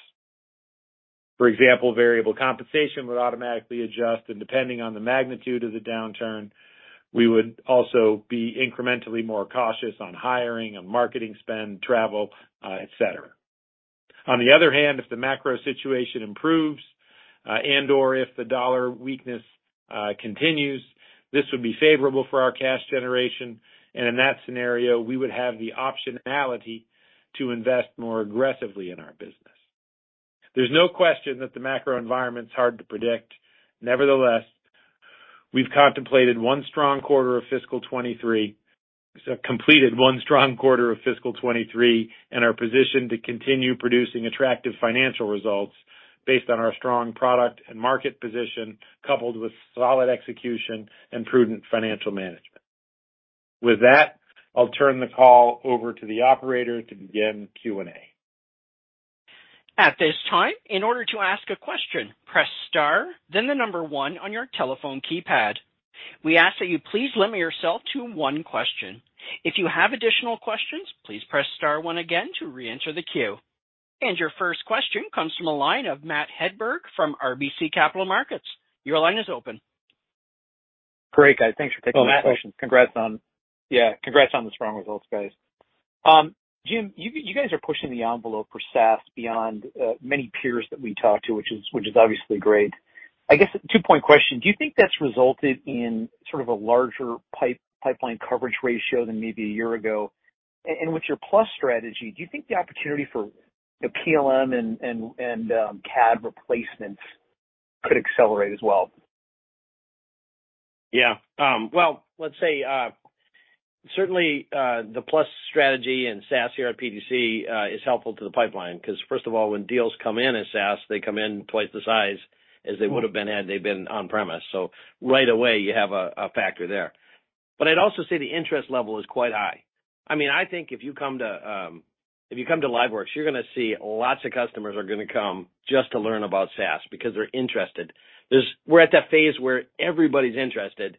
For example, variable compensation would automatically adjust, and depending on the magnitude of the downturn, we would also be incrementally more cautious on hiring and marketing spend, travel, et cetera. On the other hand, if the macro situation improves, and/or if the dollar weakness continues, this would be favorable for our cash generation. In that scenario, we would have the optionality to invest more aggressively in our business. There's no question that the macro environment's hard to predict. Nevertheless, we've contemplated one strong quarter of fiscal 23. Completed 1 strong quarter of fiscal 23 and are positioned to continue producing attractive financial results based on our strong product and market position, coupled with solid execution and prudent financial management. With that, I'll turn the call over to the operator to begin Q&A. At this time, in order to ask a question, press star then one on your telephone keypad. We ask that you please limit yourself to one question. If you have additional questions, please press star 1 again to reenter the queue. Your first question comes from the line of Matt Hedberg from RBC Capital Markets. Your line is open. Great, guys. Thanks for taking my questions. Oh, Matt. Yeah, congrats on the strong results, guys. Jim, you guys are pushing the envelope for SaaS beyond many peers that we talk to, which is obviously great. I guess a two-point question. Do you think that's resulted in sort of a larger pipeline coverage ratio than maybe a year ago? With your Plus strategy, do you think the opportunity for, you know, PLM and CAD replacements could accelerate as well? Well, let's say, certainly, the Plus strategy and SaaS here at PTC is helpful to the pipeline because first of all, when deals come in as SaaS, they come in two the size as they would have been had they been on-premise. Right away you have a factor there. I'd also say the interest level is quite high. I mean, if you come to, if you come to LiveWorx, you're going to see lots of customers are going to come just to learn about SaaS because they're interested. We're at that phase where everybody's interested.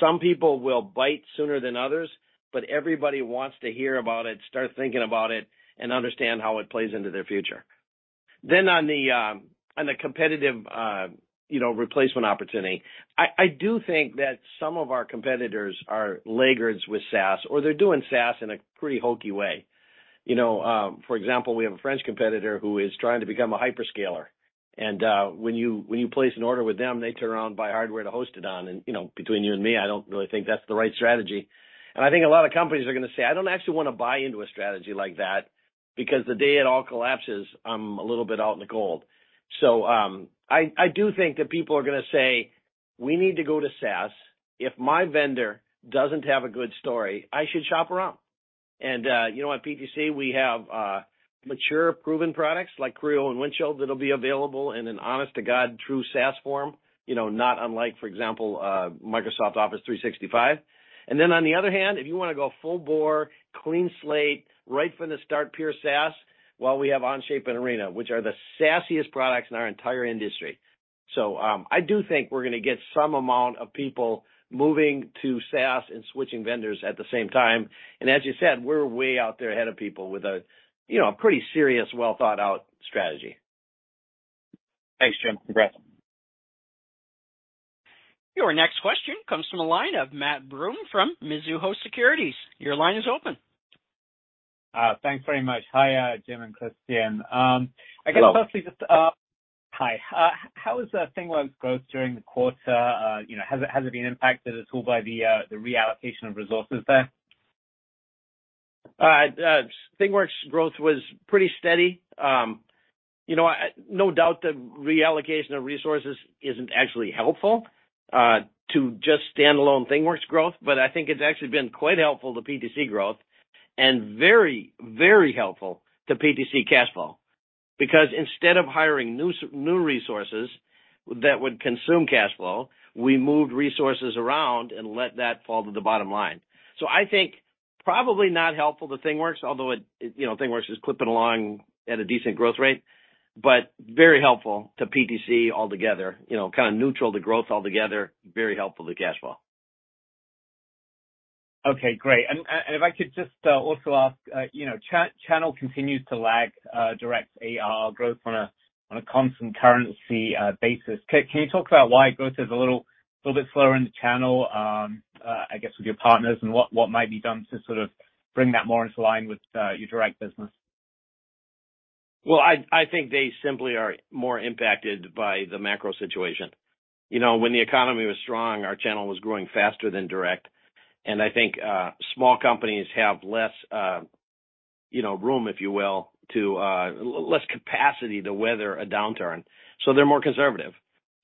Some people will bite sooner than others, but everybody wants to hear about it, start thinking about it, and understand how it plays into their future. On the competitive, you know, replacement opportunity, I do think that some of our competitors are laggards with SaaS, or they're doing SaaS in a pretty hokey way. You know, for example, we have a French competitor who is trying to become a hyperscaler. When you place an order with them, they turn around buy hardware to host it on. You know, between you and me, I don't really think that's the right strategy. I think a lot of companies are gonna say, "I don't actually wanna buy into a strategy like that, because the day it all collapses, I'm a little bit out in the cold." I do think that people are gonna say, "We need to go to SaaS. If my vendor doesn't have a good story, I should shop around." You know, at PTC, we have mature proven products like Creo and Windchill that'll be available in an honest-to-God true SaaS form. You know, not unlike, for example, Microsoft 365. Then on the other hand, if you wanna go full bore, clean slate, right from the start pure SaaS, well, we have Onshape and Arena, which are the sassiest products in our entire industry. I do think we're gonna get some amount of people moving to SaaS and switching vendors at the same time. As you said, we're way out there ahead of people with a, you know, a pretty serious, well-thought-out strategy. Thanks, Jim. Congrats. Your next question comes from a line of Matthew Broome from Mizuho Securities. Your line is open. Thanks very much. Hi, Jim and Kristian. Hello. I guess firstly just. Hi. How is ThingWorx growth during the quarter? You know, has it been impacted at all by the reallocation of resources there? ThingWorx growth was pretty steady. You know, no doubt the reallocation of resources isn't actually helpful to just standalone ThingWorx growth, but I think it's actually been quite helpful to PTC growth and very helpful to PTC cash flow. Instead of hiring new resources that would consume cash flow, we moved resources around and let that fall to the bottom line. I think probably not helpful to ThingWorx, although it, you know, ThingWorx is clipping along at a decent growth rate, but very helpful to PTC altogether. You know, kind of neutral to growth altogether, very helpful to cash flow. Okay, great. If I could just also ask, you know, channel continues to lag direct ARR growth on a constant currency basis. Can you talk about why growth is a little bit slower in the channel, I guess with your partners, and what might be done to sort of bring that more into line with your direct business? Well, I think they simply are more impacted by the macro situation. You know, when the economy was strong, our channel was growing faster than direct. I think small companies have less, you know, room if you will, to less capacity to weather a downturn, so they're more conservative.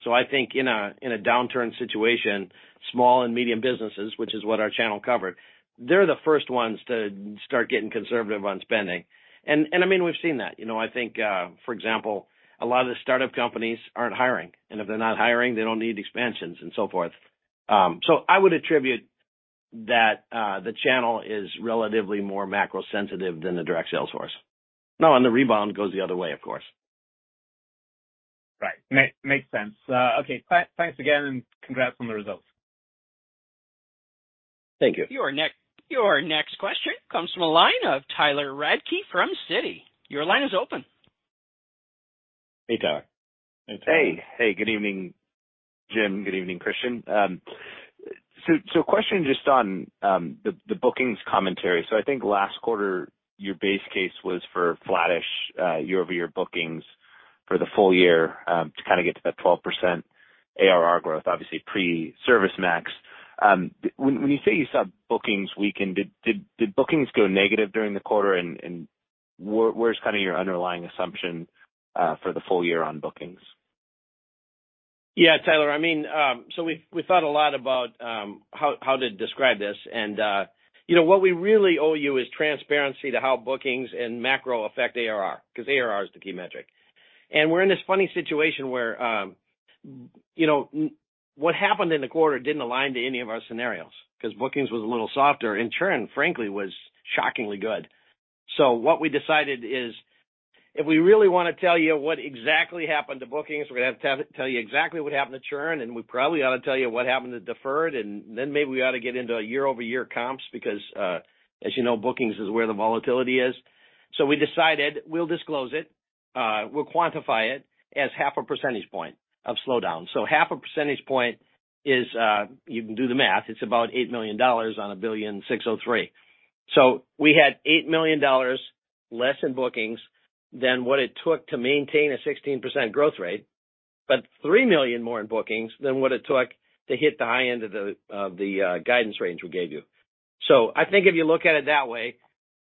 I think in a, in a downturn situation, small and medium businesses, which is what our channel covered, they're the first ones to start getting conservative on spending. I mean, we've seen that, you know. I think, for example, a lot of the startup companies aren't hiring, and if they're not hiring, they don't need expansions and so forth. I would attribute that, the channel is relatively more macro sensitive than the direct sales force. No, the rebound goes the other way, of course. Right. Makes sense. Okay. Thanks again and congrats on the results. Thank you. Your next question comes from a line of Tyler Radke from Citi. Your line is open. Hey, Tyler. Hey. Hey, good evening, Jim. Good evening, Kristian. Question just on the bookings commentary? I think last quarter, your base case was for flattish year-over-year bookings for the full year, to kinda get to that 12% ARR growth, obviously pre-ServiceMax. When you say you saw bookings weaken, did bookings go negative during the quarter and where's kinda your underlying assumption for the full year on bookings? Yeah, Tyler, I mean, we thought a lot about how to describe this. You know, what we really owe you is transparency to how bookings and macro affect ARR, 'cause ARR is the key metric. We're in this funny situation where, you know, what happened in the quarter didn't align to any of our scenarios, 'cause bookings was a little softer. In turn, frankly, was shockingly good. What we decided is if we really wanna tell you what exactly happened to bookings, we're gonna have to tell you exactly what happened to churn, and we probably ought to tell you what happened to deferred, and then maybe we ought to get into year-over-year comps because, as you know, bookings is where the volatility is. We decided we'll disclose it, we'll quantify it as half a percentage point of slowdown. Half a percentage point is, you can do the math, it's about $8 million on $1.603 billion. We had $8 million less in bookings than what it took to maintain a 16% growth rate, but $3 million more in bookings than what it took to hit the high end of the guidance range we gave you. I think if you look at it that way,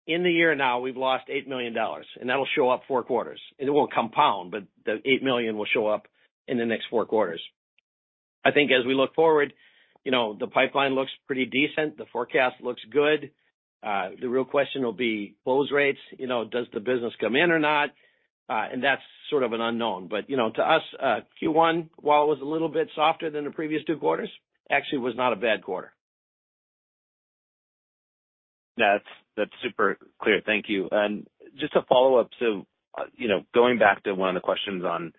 in the year now we've lost $8 million, and that'll show up four quarters. It won't compound, the $8 million will show up in the next four quarters. I think as we look forward, you know, the pipeline looks pretty decent. The forecast looks good. The real question will be close rates. You know, does the business come in or not? That's sort of an unknown. You know, to us Q1, while it was a little bit softer than the previous two quarters, actually was not a bad quarter. That's super clear. Thank you. Just a follow-up. You know, going back to one of the questions on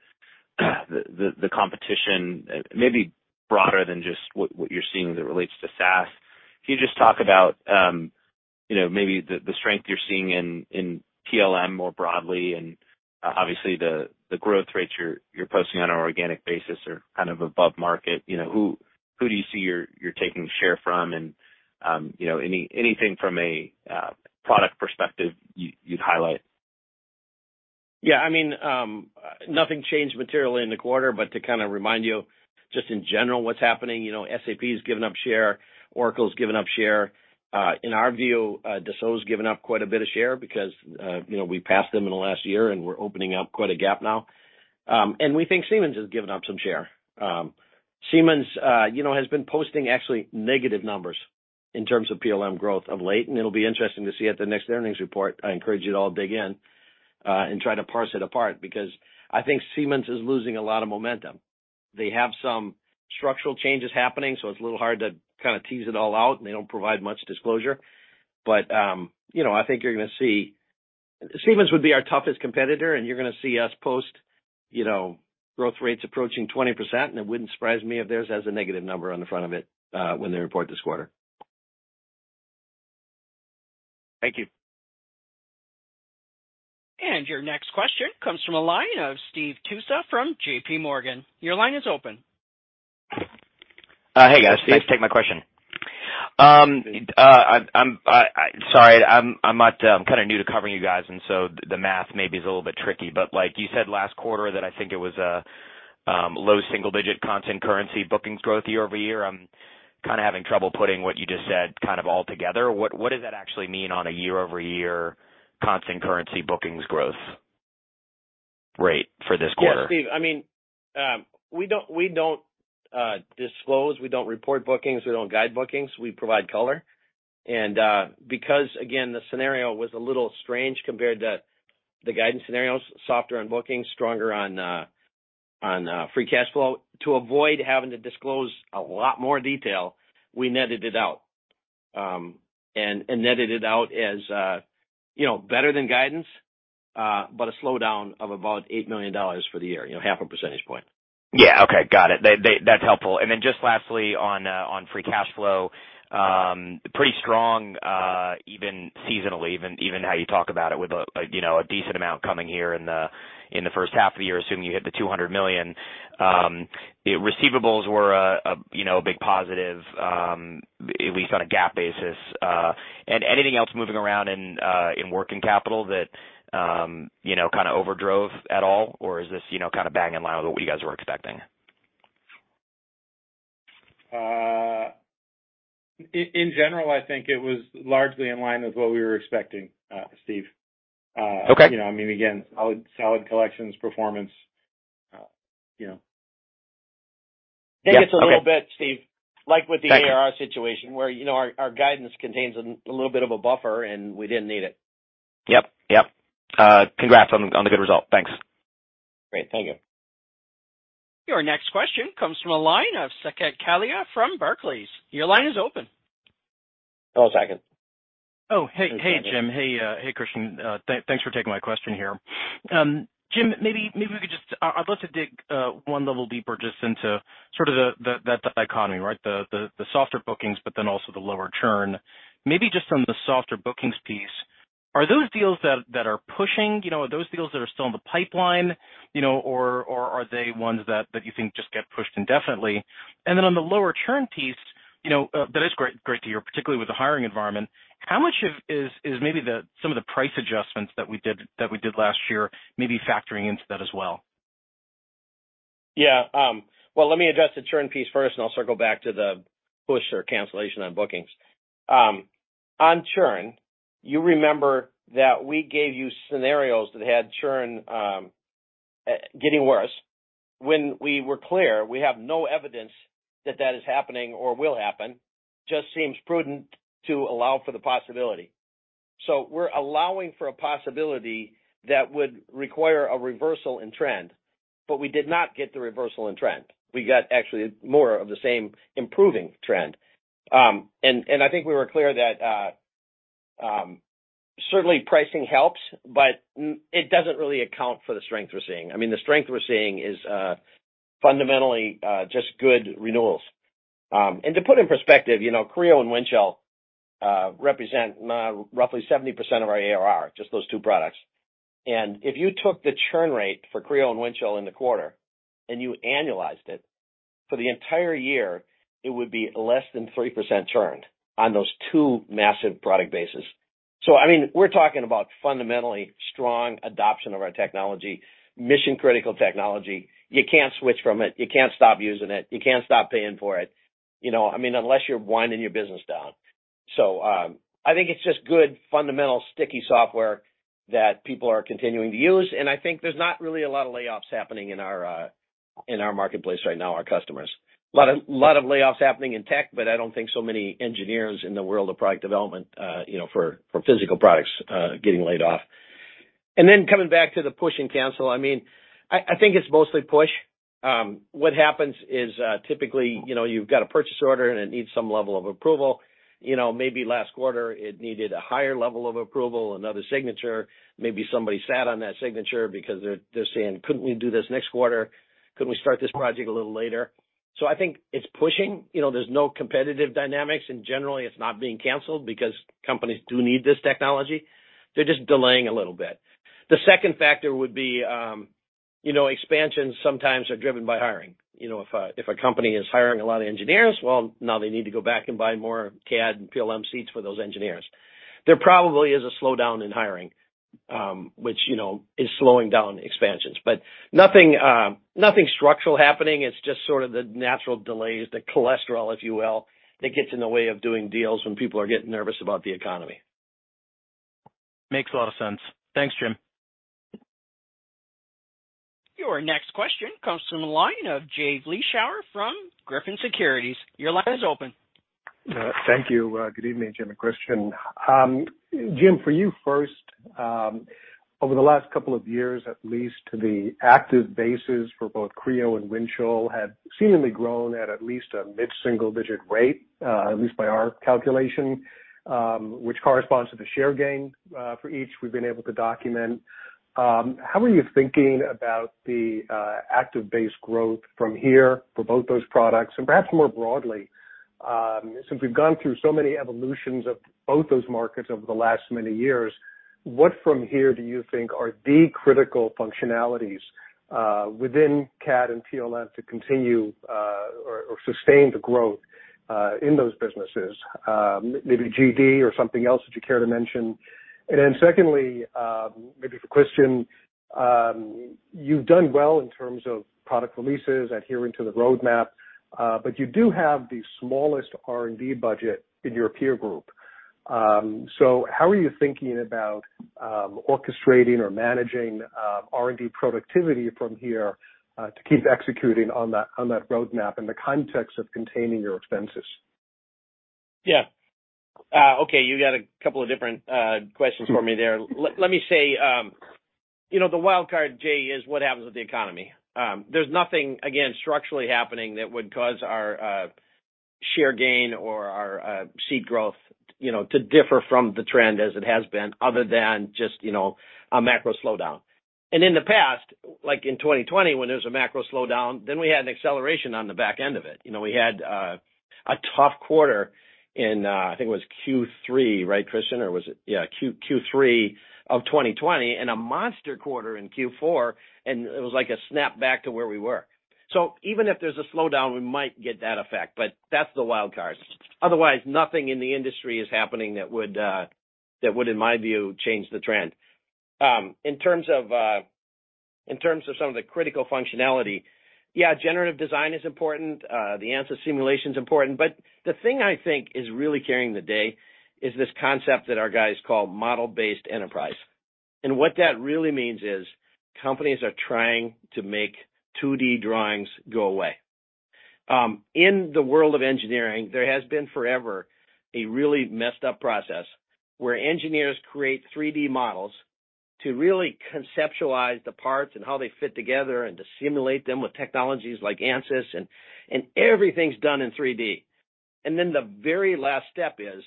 the competition, maybe broader than just what you're seeing as it relates to SaaS, can you just talk about, you know, maybe the strength you're seeing in PLM more broadly and obviously the growth rates you're posting on an organic basis are kind of above market. You know, who do you see you're taking share from? You know, anything from a product perspective you'd highlight? Yeah, I mean, nothing changed materially in the quarter, to kind of remind you just in general what's happening, you know, SAP's given up share, Oracle's given up share. In our view, Dassault's given up quite a bit of share because, you know, we passed them in the last year, and we're opening up quite a gap now. We think Siemens has given up some share. Siemens, you know, has been posting actually negative numbers in terms of PLM growth of late, and it'll be interesting to see at the next earnings report. I encourage you to all dig in, and try to parse it apart, because I think Siemens is losing a lot of momentum. They have some structural changes happening, so it's a little hard to kinda tease it all out, and they don't provide much disclosure. You know, I think you're gonna see Siemens would be our toughest competitor, and you're gonna see us post, you know, growth rates approaching 20%, and it wouldn't surprise me if theirs has a negative number on the front of it, when they report this quarter. Thank you. Your next question comes from a line of Steve Tusa from JPMorgan. Your line is open. Hey, guys. Thanks for taking my question. Sorry, I'm kinda new to covering you guys, the math maybe is a little bit tricky. Like you said last quarter that I think it was low single-digit constant currency bookings growth year-over-year. I'm kinda having trouble putting what you just said kind of all together. What does that actually mean on a year-over-year constant currency bookings growth rate for this quarter? Yeah, Steve. I mean, we don't disclose, we don't report bookings, we don't guide bookings, we provide color. Because again, the scenario was a little strange compared to the guidance scenarios, softer on bookings, stronger on free cash flow. To avoid having to disclose a lot more detail, we netted it out as, you know, better than guidance, but a slowdown of about $8 million for the year, you know, half a percentage point. Yeah. Okay. Got it. They That's helpful. Just lastly on on free cash flow, pretty strong, even seasonally, even how you talk about it with a, you know, decent amount coming here in the, in the first half of the year, assuming you hit the $200 million. Receivables were a, you know, a big positive, at least on a GAAP basis. Anything else moving around in working capital that, you know, kinda overdrove at all, or is this, you know, kinda bang in line with what you guys were expecting? In general, I think it was largely in line with what we were expecting, Steve. Okay. You know, again, solid collections performance, you know. Maybe it's a little bit, Steve, like with the ARR situation where, you know, our guidance contains a little bit of a buffer, and we didn't need it. Yep. Yep. Congrats on the good result. Thanks. Great. Thank you. Your next question comes from a line of Saket Kalia from Barclays. Your line is open. Hello, Saket. Hey, hey, Jim. Hey, hey, Kristian. Thanks for taking my question here. Jim, maybe we could just I'd love to dig one level deeper just into sort of the dichotomy, right? The softer bookings, but then also the lower churn. Maybe just on the softer bookings piece? Are those deals that are pushing, you know, are those deals that are still in the pipeline, you know, or are they ones that you think just get pushed indefinitely? On the lower churn piece, you know, that is great to hear, particularly with the hiring environment. How much of is maybe the some of the price adjustments that we did last year, maybe factoring into that as well? Well, let me address the churn piece first, and I'll circle back to the push or cancellation on bookings. On churn, you remember that we gave you scenarios that had churn getting worse. We were clear we have no evidence that that is happening or will happen. Just seems prudent to allow for the possibility. We're allowing for a possibility that would require a reversal in trend, but we did not get the reversal in trend. We got actually more of the same improving trend. And I think we were clear that certainly pricing helps, but it doesn't really account for the strength we're seeing. I mean, the strength we're seeing is fundamentally just good renewals. To put in perspective, you know, Creo and Windchill represent roughly 70% of our ARR, just those two products. If you took the churn rate for Creo and Windchill in the quarter, and you annualized it for the entire year, it would be less than 3% churned on those two massive product bases. I mean, we're talking about fundamentally strong adoption of our technology, mission-critical technology. You can't switch from it. You can't stop using it. You can't stop paying for it, you know, unless you're winding your business down. I think it's just good, fundamental, sticky software that people are continuing to use. I think there's not really a lot of layoffs happening in our marketplace right now, our customers. Lot of layoffs happening in tech. I don't think so many engineers in the world of product development, you know, for physical products getting laid off. Coming back to the push and cancel, I mean, I think it's mostly push. What happens is, typically, you know, you've got a purchase order, and it needs some level of approval. You know, maybe last quarter it needed a higher level of approval, another signature. Maybe somebody sat on that signature because they're saying, "Couldn't we do this next quarter? Couldn't we start this project a little later?" I think it's pushing. You know, there's no competitive dynamics, and generally it's not being canceled because companies do need this technology. They're just delaying a little bit. The second factor would be, you know, expansions sometimes are driven by hiring. You know, if a company is hiring a lot of engineers, well, now they need to go back and buy more CAD and PLM seats for those engineers. There probably is a slowdown in hiring, which, you know, is slowing down expansions. Nothing structural happening. It's just sort of the natural delays, the cholesterol, if you will, that gets in the way of doing deals when people are getting nervous about the economy. Makes a lot of sense. Thanks, Jim. Your next question comes from the line of Jay Vleeschouwer from Griffin Securities. Your line is open. Thank you. Good evening, Jim and Kristian. Jim, for you first. Over the last couple of years, at least the active bases for both Creo and Windchill have seemingly grown at at least a mid-single-digit rate, at least by our calculation, which corresponds to the share gain, for each we've been able to document. How are you thinking about the active base growth from here for both those products? Perhaps more broadly, since we've gone through so many evolutions of both those markets over the last many years, what from here do you think are the critical functionalities, within CAD and PLM to continue, or sustain the growth, in those businesses? Maybe GD&T or something else that you care to mention. Secondly, maybe for Kristian, you've done well in terms of product releases, adhering to the roadmap, but you do have the smallest R&D budget in your peer group. How are you thinking about orchestrating or managing R&D productivity from here, to keep executing on that, on that roadmap in the context of containing your expenses? Yeah. Okay, you got a couple of different questions for me there. Let me say, you know, the wild card, Jay, is what happens with the economy. There's nothing, again, structurally happening that would cause our share gain or our seat growth, you know, to differ from the trend as it has been other than just, you know, a macro slowdown. In the past, like in 2020 when there was a macro slowdown, then we had an acceleration on the back end of it. You know, we had a tough quarter in I think it was Q3, right, Kristian? Q3 of 2020 and a monster quarter in Q4, and it was like a snap back to where we were. Even if there's a slowdown, we might get that effect, but that's the wild card. Otherwise, nothing in the industry is happening that would, in my view, change the trend. In terms of some of the critical functionality, yeah, generative design is important. The Ansys simulation is important. The thing I think is really carrying the day is this concept that our guys call model-based enterprise. What that really means is companies are trying to make 2D drawings go away. In the world of engineering, there has been forever a really messed up process where engineers create 3D models to really conceptualize the parts and how they fit together and to simulate them with technologies like Ansys and everything's done in 3D. Then the very last step is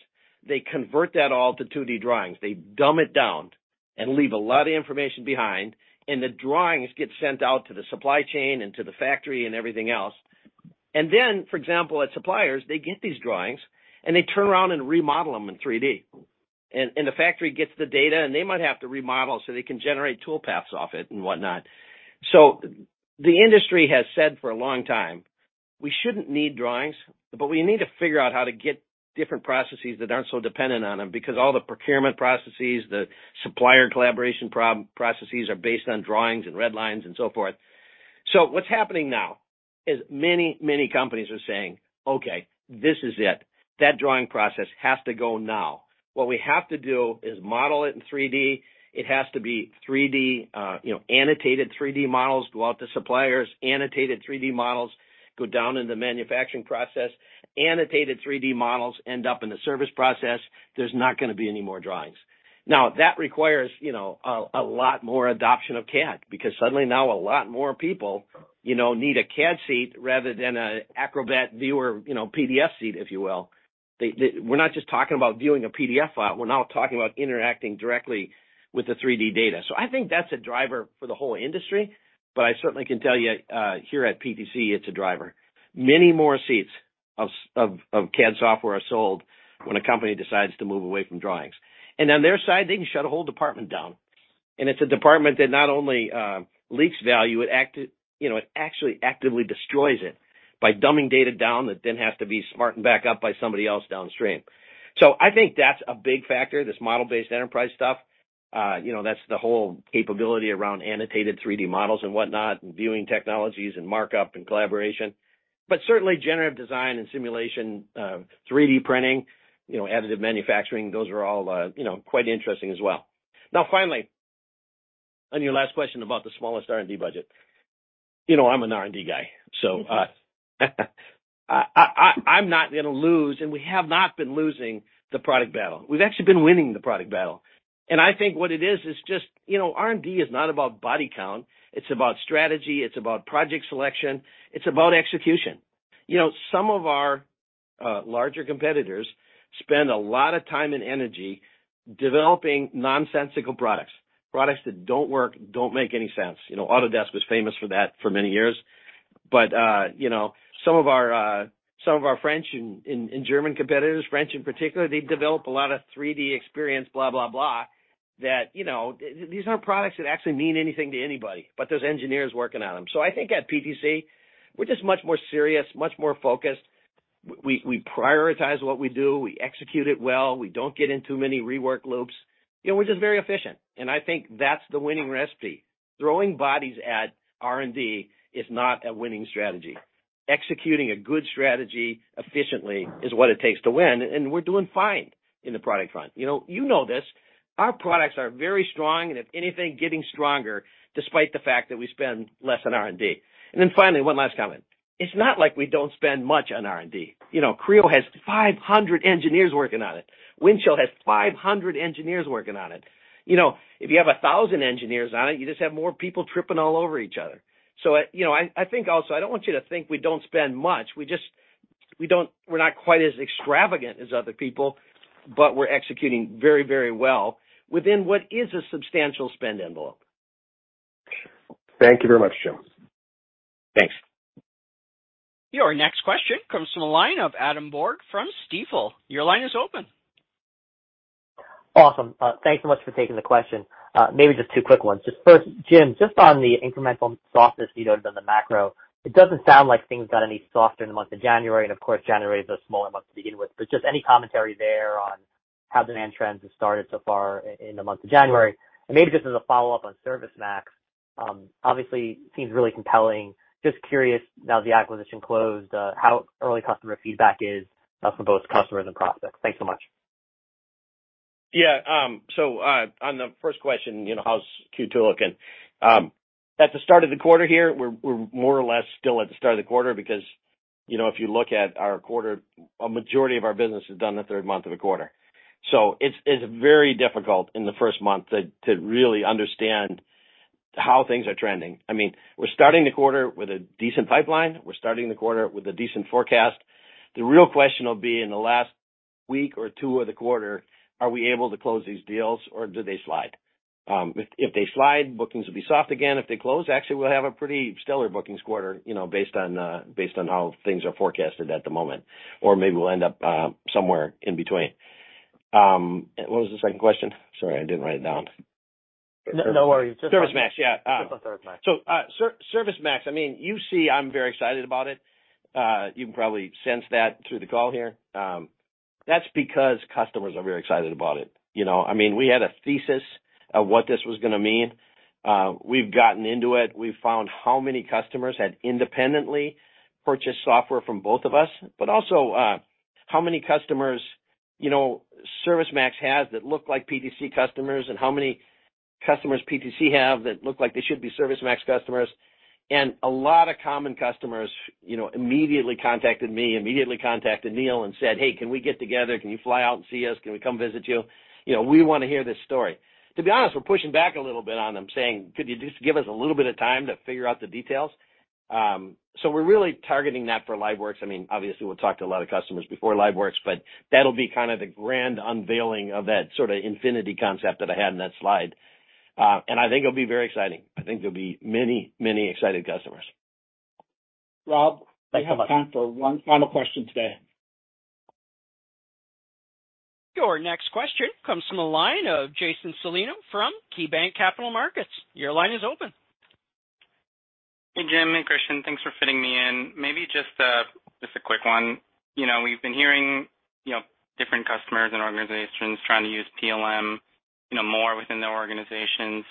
they convert that all to 2D drawings. They dumb it down and leave a lot of information behind, and the drawings get sent out to the supply chain and to the factory and everything else. For example, at suppliers, they get these drawings, and they turn around and remodel them in 3D. The factory gets the data, and they might have to remodel so they can generate tool paths off it and whatnot. The industry has said for a long time, we shouldn't need drawings, but we need to figure out how to get different processes that aren't so dependent on them because all the procurement processes, the supplier collaboration processes are based on drawings and red lines and so forth. What's happening now is many, many companies are saying, okay, this is it. That drawing process has to go now. What we have to do is model it in 3D. It has to be 3D, you know, annotated 3D models go out to suppliers, annotated 3D models go down in the manufacturing process, annotated 3D models end up in the service process. There's not gonna be any more drawings. That requires, you know, a lot more adoption of CAD because suddenly now a lot more people, you know, need a CAD seat rather than a Acrobat viewer, you know, PDF seat, if you will. We're not just talking about viewing a PDF file. We're now talking about interacting directly with the 3D data. I think that's a driver for the whole industry. I certainly can tell you, here at PTC, it's a driver. Many more seats of CAD software are sold when a company decides to move away from drawings. On their side, they can shut a whole department down. It's a department that not only leaks value, you know, it actually actively destroys it by dumbing data down that then has to be smartened back up by somebody else downstream. I think that's a big factor, this model-based enterprise stuff. You know, that's the whole capability around annotated 3D models and whatnot and viewing technologies and markup and collaboration. Certainly, generative design and simulation, 3D printing, you know, additive manufacturing, those are all, you know, quite interesting as well. Now finally, on your last question about the smallest R&D budget. You know, I'm an R&D guy, so I'm not gonna lose, and we have not been losing the product battle. We've actually been winning the product battle. I think what it is is just, you know, R&D is not about body count. It's about strategy. It's about project selection. It's about execution. You know, some of our larger competitors spend a lot of time and energy developing nonsensical products that don't work, don't make any sense. You know, Autodesk was famous for that for many years. You know, some of our, some of our French and German competitors, French in particular, they develop a lot of 3DEXPERIENCE blah, blah, that, you know, these aren't products that actually mean anything to anybody but those engineers working on them. I think at PTC, we're just much more serious, much more focused. We prioritize what we do. We execute it well. We don't get in too many rework loops. You know, we're just very efficient, and I think that's the winning recipe. Throwing bodies at R&D is not a winning strategy. Executing a good strategy efficiently is what it takes to win, and we're doing fine in the product front. You know, this. Our products are very strong, and if anything, getting stronger despite the fact that we spend less on R&D. Finally, one last comment. It's not like we don't spend much on R&D. You know, Creo has 500 engineers working on it. Windchill has 500 engineers working on it. You know, if you have 1,000 engineers on it, you just have more people tripping all over each other. you know, I think also, I don't want you to think we don't spend much. We just we're not quite as extravagant as other people, but we're executing very, very well within what is a substantial spend envelope. Thank you very much, Jim. Thanks. Your next question comes from the line of Adam Borg from Stifel. Your line is open. Awesome. Thanks so much for taking the question. Maybe just two quick ones. Just first, Jim, just on the incremental softness you noted on the macro, it doesn't sound like things got any softer in the month of January, and of course, January is a smaller month to begin with. Just any commentary there on how demand trends have started so far in the month of January? Maybe just as a follow-up on ServiceMax, obviously seems really compelling. Just curious now the acquisition closed, how early customer feedback is, for both customers and prospects? Thanks so much. On the first question, you know, how's Q2 looking? At the start of the quarter here, we're more or less still at the start of the quarter because, you know, if you look at our quarter, a majority of our business is done in the third month of the quarter. It's very difficult in the first month to really understand how things are trending. I mean, we're starting the quarter with a decent pipeline. We're starting the quarter with a decent forecast. The real question will be in the last week or 2 of the quarter, are we able to close these deals or do they slide? If they slide, bookings will be soft again. If they close, actually, we'll have a pretty stellar bookings quarter, you know, based on how things are forecasted at the moment. Maybe we'll end up, somewhere in between. What was the second question? Sorry, I didn't write it down. No, no worries. ServiceMax, yeah. Just on ServiceMax. ServiceMax, I mean, you see I'm very excited about it. You can probably sense that through the call here. That's because customers are very excited about it. You know? I mean, we had a thesis of what this was gonna mean. We've gotten into it. We've found how many customers had independently purchased software from both of us, but also, how many customers, you know, ServiceMax has that look like PTC customers and how many customers PTC have that look like they should be ServiceMax customers. A lot of common customers, you know, immediately contacted me, immediately contacted Neil and said, "Hey, can we get together? Can you fly out and see us? Can we come visit you? You know, we wanna hear this story." To be honest, we're pushing back a little bit on them saying, "Could you just give us a little bit of time to figure out the details?" We're really targeting that for LiveWorx. I mean, obviously, we'll talk to a lot of customers before LiveWorx, that'll be kind of the grand unveiling of that sort of infinity concept that I had in that slide. I think it'll be very exciting. I think there'll be many, many excited customers. Rob, we have time for one final question today. Your next question comes from the line of Jason Celino from KeyBanc Capital Markets. Your line is open. Hey, Jim and Kristian. Thanks for fitting me in. Maybe just a quick one. You know, we've been hearing, you know, different customers and organizations trying to use PLM, you know, more within their organizations.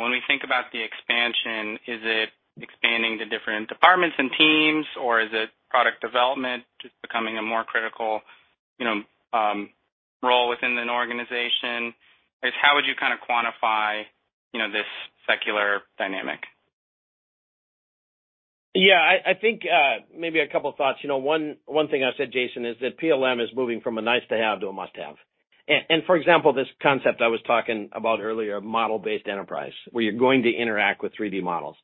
When we think about the expansion, is it expanding to different departments and teams, or is it product development just becoming a more critical, you know, role within an organization? How would you kind of quantify, you know, this secular dynamic? Yeah, I think, maybe a couple of thoughts. You know, one thing I said, Jason, is that PLM is moving from a nice to have to a must-have. For example, this concept I was talking about earlier, model-based enterprise, where you're going to interact with 360 models.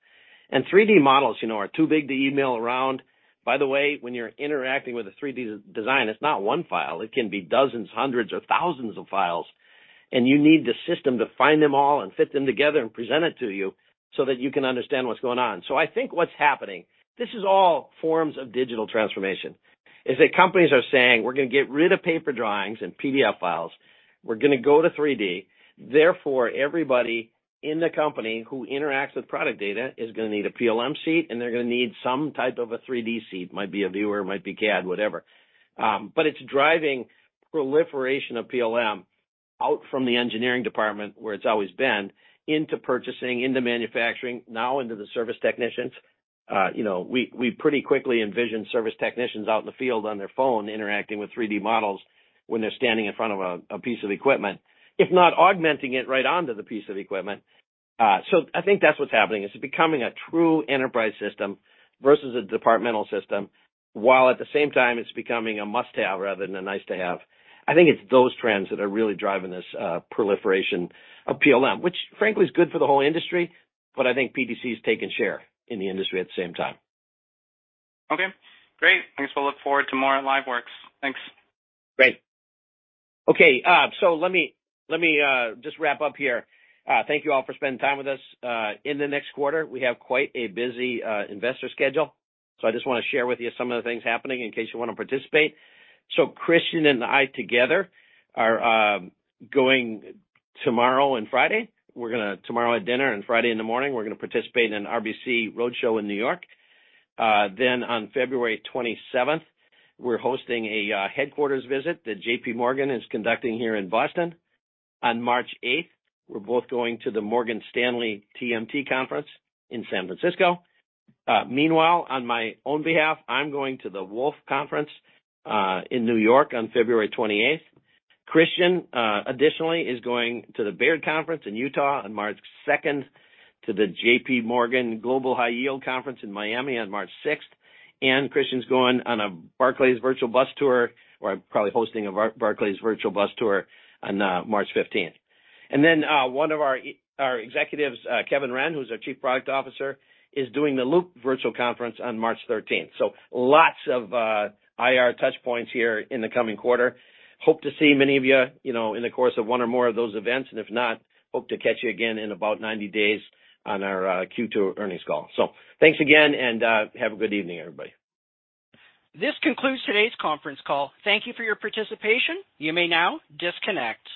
360 models, you know, are too big to email around. By the way, when you're interacting with a 360 design, it's not one file. It can be dozens, hundreds, or thousands of files, and you need the system to find them all and fit them together and present it to you so that you can understand what's going on. I think what's happening, this is all forms of digital transformation, is that companies are saying, "We're gonna get rid of paper drawings and PDF files. We're gonna go to 360. Therefore, everybody in the company who interacts with product data is gonna need a PLM seat, and they're gonna need some type of a 360 seat. Might be a viewer, might be CAD, whatever. It's driving proliferation of PLM out from the engineering department, where it's always been, into purchasing, into manufacturing, now into the service technicians. You know, we pretty quickly envision service technicians out in the field on their phone interacting with 360 models when they're standing in front of a piece of equipment, if not augmenting it right onto the piece of equipment. I think that's what's happening. It's becoming a true enterprise system versus a departmental system, while at the same time, it's becoming a must-have rather than a nice to have. I think it's those trends that are really driving this proliferation of PLM, which frankly is good for the whole industry. I think PTC has taken share in the industry at the same time. Okay, great. I guess we'll look forward to more at LiveWorx. Thanks. Great. Okay, just wrap up here. Thank you all for spending time with us. In the next quarter, we have quite a busy investor schedule. I just wanna share with you some of the things happening in case you wanna participate. Kristian and I together are going tomorrow and Friday. We're gonna tomorrow at dinner and Friday in the morning, we're gonna participate in an RBC roadshow in New York. On February 27th, we're hosting a headquarters visit that JPMorgan is conducting here in Boston. On March 8th, we're both going to the Morgan Stanley TMT conference in San Francisco. Meanwhile, on my own behalf, I'm going to the Wolfe Conference in New York on February 28th. Kristian additionally is going to the Baird Conference in Utah on March 2nd, to the JPMorgan Global High Yield conference in Miami on March 6th. Kristian's going on a Barclays virtual bus tour, or probably hosting a Barclays virtual bus tour on March 15th. One of our executives, Kevin Wrenn, who's our chief product officer, is doing the Loop Virtual Conference on March 13th. Lots of IR touch points here in the coming quarter. Hope to see many of you know, in the course of one or more of those events. If not, hope to catch you again in about 90 days on our Q2 earnings call. Thanks again, and have a good evening, everybody. This concludes today's conference call. Thank you for your participation. You may now disconnect.